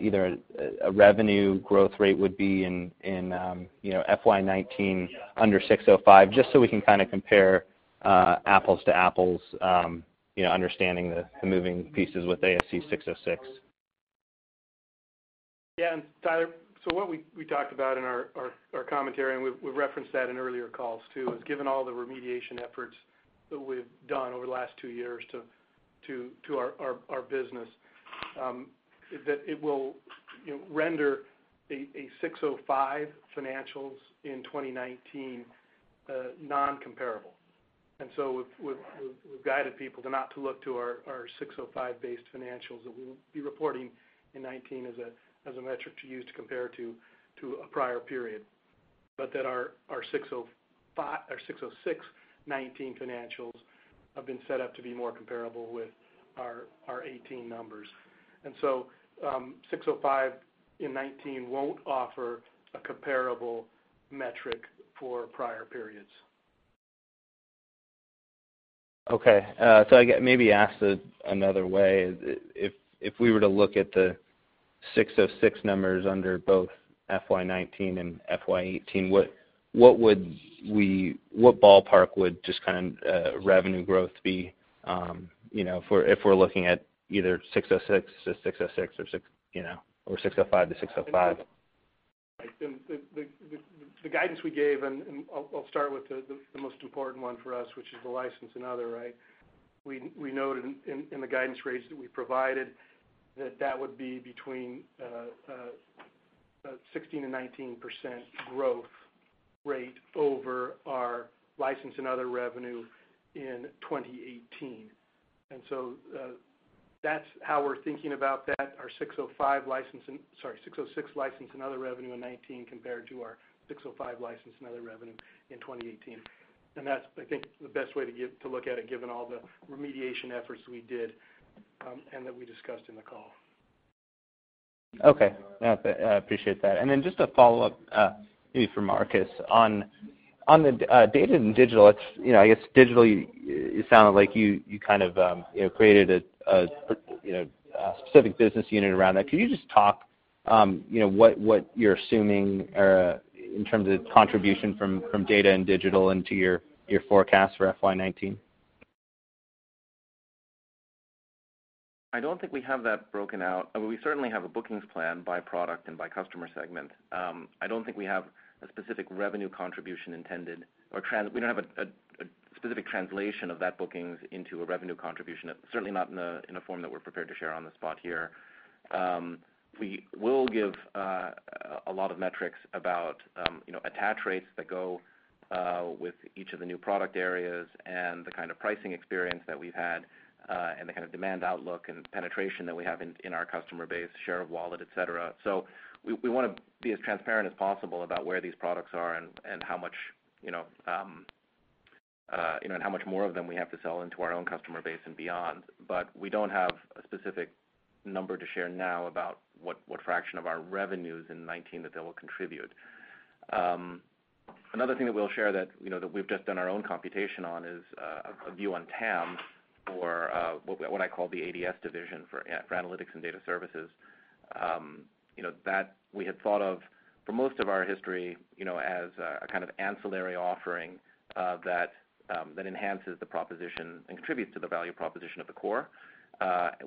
either a revenue growth rate would be in FY 2019 under ASC 605, just so we can kind of compare apples to apples, understanding the moving pieces with ASC 606. Tyler, what we talked about in our commentary, we've referenced that in earlier calls, too, is given all the remediation efforts that we've done over the last two years to our business, that it will render ASC 605 financials in 2019 non-comparable. We've guided people to not to look to our ASC 605-based financials that we'll be reporting in 2019 as a metric to use to compare to a prior period. That our ASC 606 2019 financials have been set up to be more comparable with our 2018 numbers. ASC 605 in 2019 won't offer a comparable metric for prior periods. Okay. Maybe asked another way, if we were to look at the ASC 606 numbers under both FY 2019 and FY 2018. What ballpark would just kind of revenue growth be if we're looking at either ASC 606 to ASC 606 or ASC 605 to ASC 605? The guidance we gave, and I'll start with the most important one for us, which is the license and other. We noted in the guidance range that we provided that would be between 16%-19% growth rate over our license and other revenue in 2018. That's how we're thinking about that. Our ASC 606 license and other revenue in 2019 compared to our ASC 605 license and other revenue in 2018. That's, I think, the best way to look at it, given all the remediation efforts we did and that we discussed in the call. I appreciate that. Then just a follow-up, maybe for Marcus, on the data and digital. I guess digitally, it sounded like you kind of created a specific business unit around that. Could you just talk what you're assuming in terms of contribution from data and digital into your forecast for FY 2019? I don't think we have that broken out. We certainly have a bookings plan by product and by customer segment. I don't think we have a specific revenue contribution intended, or we don't have a specific translation of that bookings into a revenue contribution. Certainly not in a form that we're prepared to share on the spot here. We will give a lot of metrics about attach rates that go with each of the new product areas and the kind of pricing experience that we've had and the kind of demand outlook and penetration that we have in our customer base, share of wallet, et cetera. We want to be as transparent as possible about where these products are and how much more of them we have to sell into our own customer base and beyond. We don't have a specific number to share now about what fraction of our revenues in 2019 that they will contribute. Another thing that we'll share that we've just done our own computation on is a view on TAM, or what I call the ADS division for Guidewire Analytics and Data Services. That we had thought of for most of our history as a kind of ancillary offering that enhances the proposition and contributes to the value proposition of the core.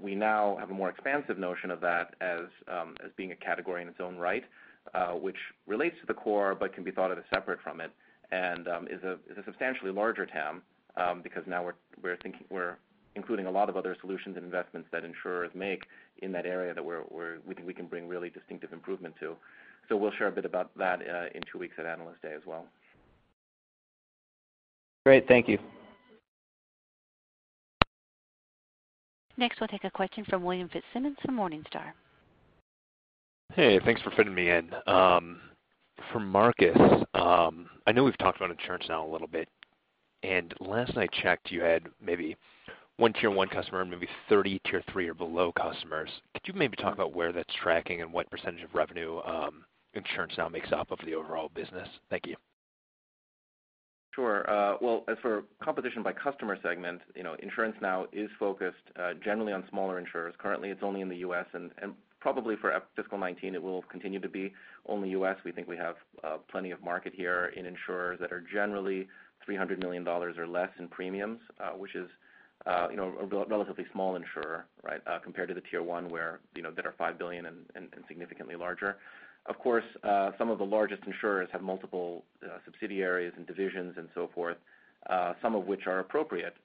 We now have a more expansive notion of that as being a category in its own right, which relates to the core but can be thought of as separate from it and is a substantially larger TAM. Because now we're including a lot of other solutions and investments that insurers make in that area that we can bring really distinctive improvement to. We'll share a bit about that in two weeks at Analyst Day as well. Great. Thank you. Next, we'll take a question from William Fitzsimmons from Morningstar. Hey, thanks for fitting me in. For Marcus, I know we've talked about InsuranceNow a little bit, and last I checked, you had maybe one Tier 1 customer and maybe 30 Tier 3 or below customers. Could you maybe talk about where that's tracking and what % of revenue InsuranceNow makes up of the overall business? Thank you. Sure. Well, as for competition by customer segment, InsuranceNow is focused generally on smaller insurers. Currently, it's only in the U.S. and probably for fiscal 2019, it will continue to be only U.S. We think we have plenty of market here in insurers that are generally $300 million or less in premiums, which is a relatively small insurer compared to the Tier 1 that are $5 billion and significantly larger. Of course, some of the largest insurers have multiple subsidiaries and divisions and so forth, some of which are appropriate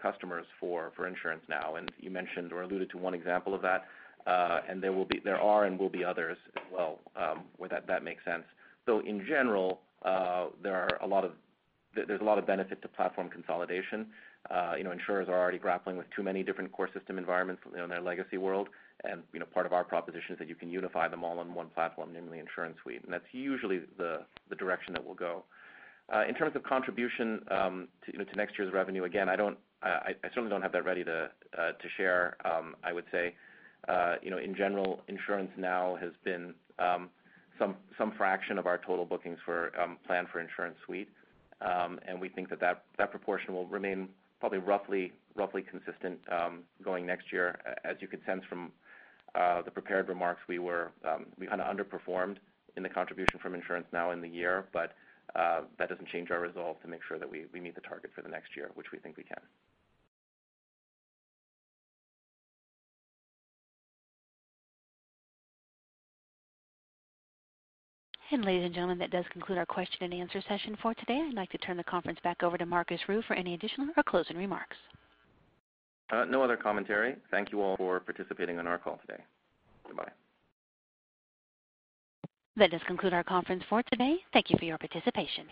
customers for InsuranceNow, and you mentioned or alluded to one example of that. There are and will be others as well where that makes sense. In general, there's a lot of benefit to platform consolidation. Insurers are already grappling with too many different core system environments in their legacy world, part of our proposition is that you can unify them all on one platform, namely InsuranceSuite, and that's usually the direction that we'll go. In terms of contribution to next year's revenue, again, I certainly don't have that ready to share. I would say, in general, InsuranceNow has been some fraction of our total bookings plan for InsuranceSuite. We think that proportion will remain probably roughly consistent going next year. As you could sense from the prepared remarks, we kind of underperformed in the contribution from InsuranceNow in the year. That doesn't change our resolve to make sure that we meet the target for the next year, which we think we can. Ladies and gentlemen, that does conclude our question and answer session for today. I'd like to turn the conference back over to Marcus Ryu for any additional or closing remarks. No other commentary. Thank you all for participating on our call today. Goodbye. That does conclude our conference for today. Thank you for your participation.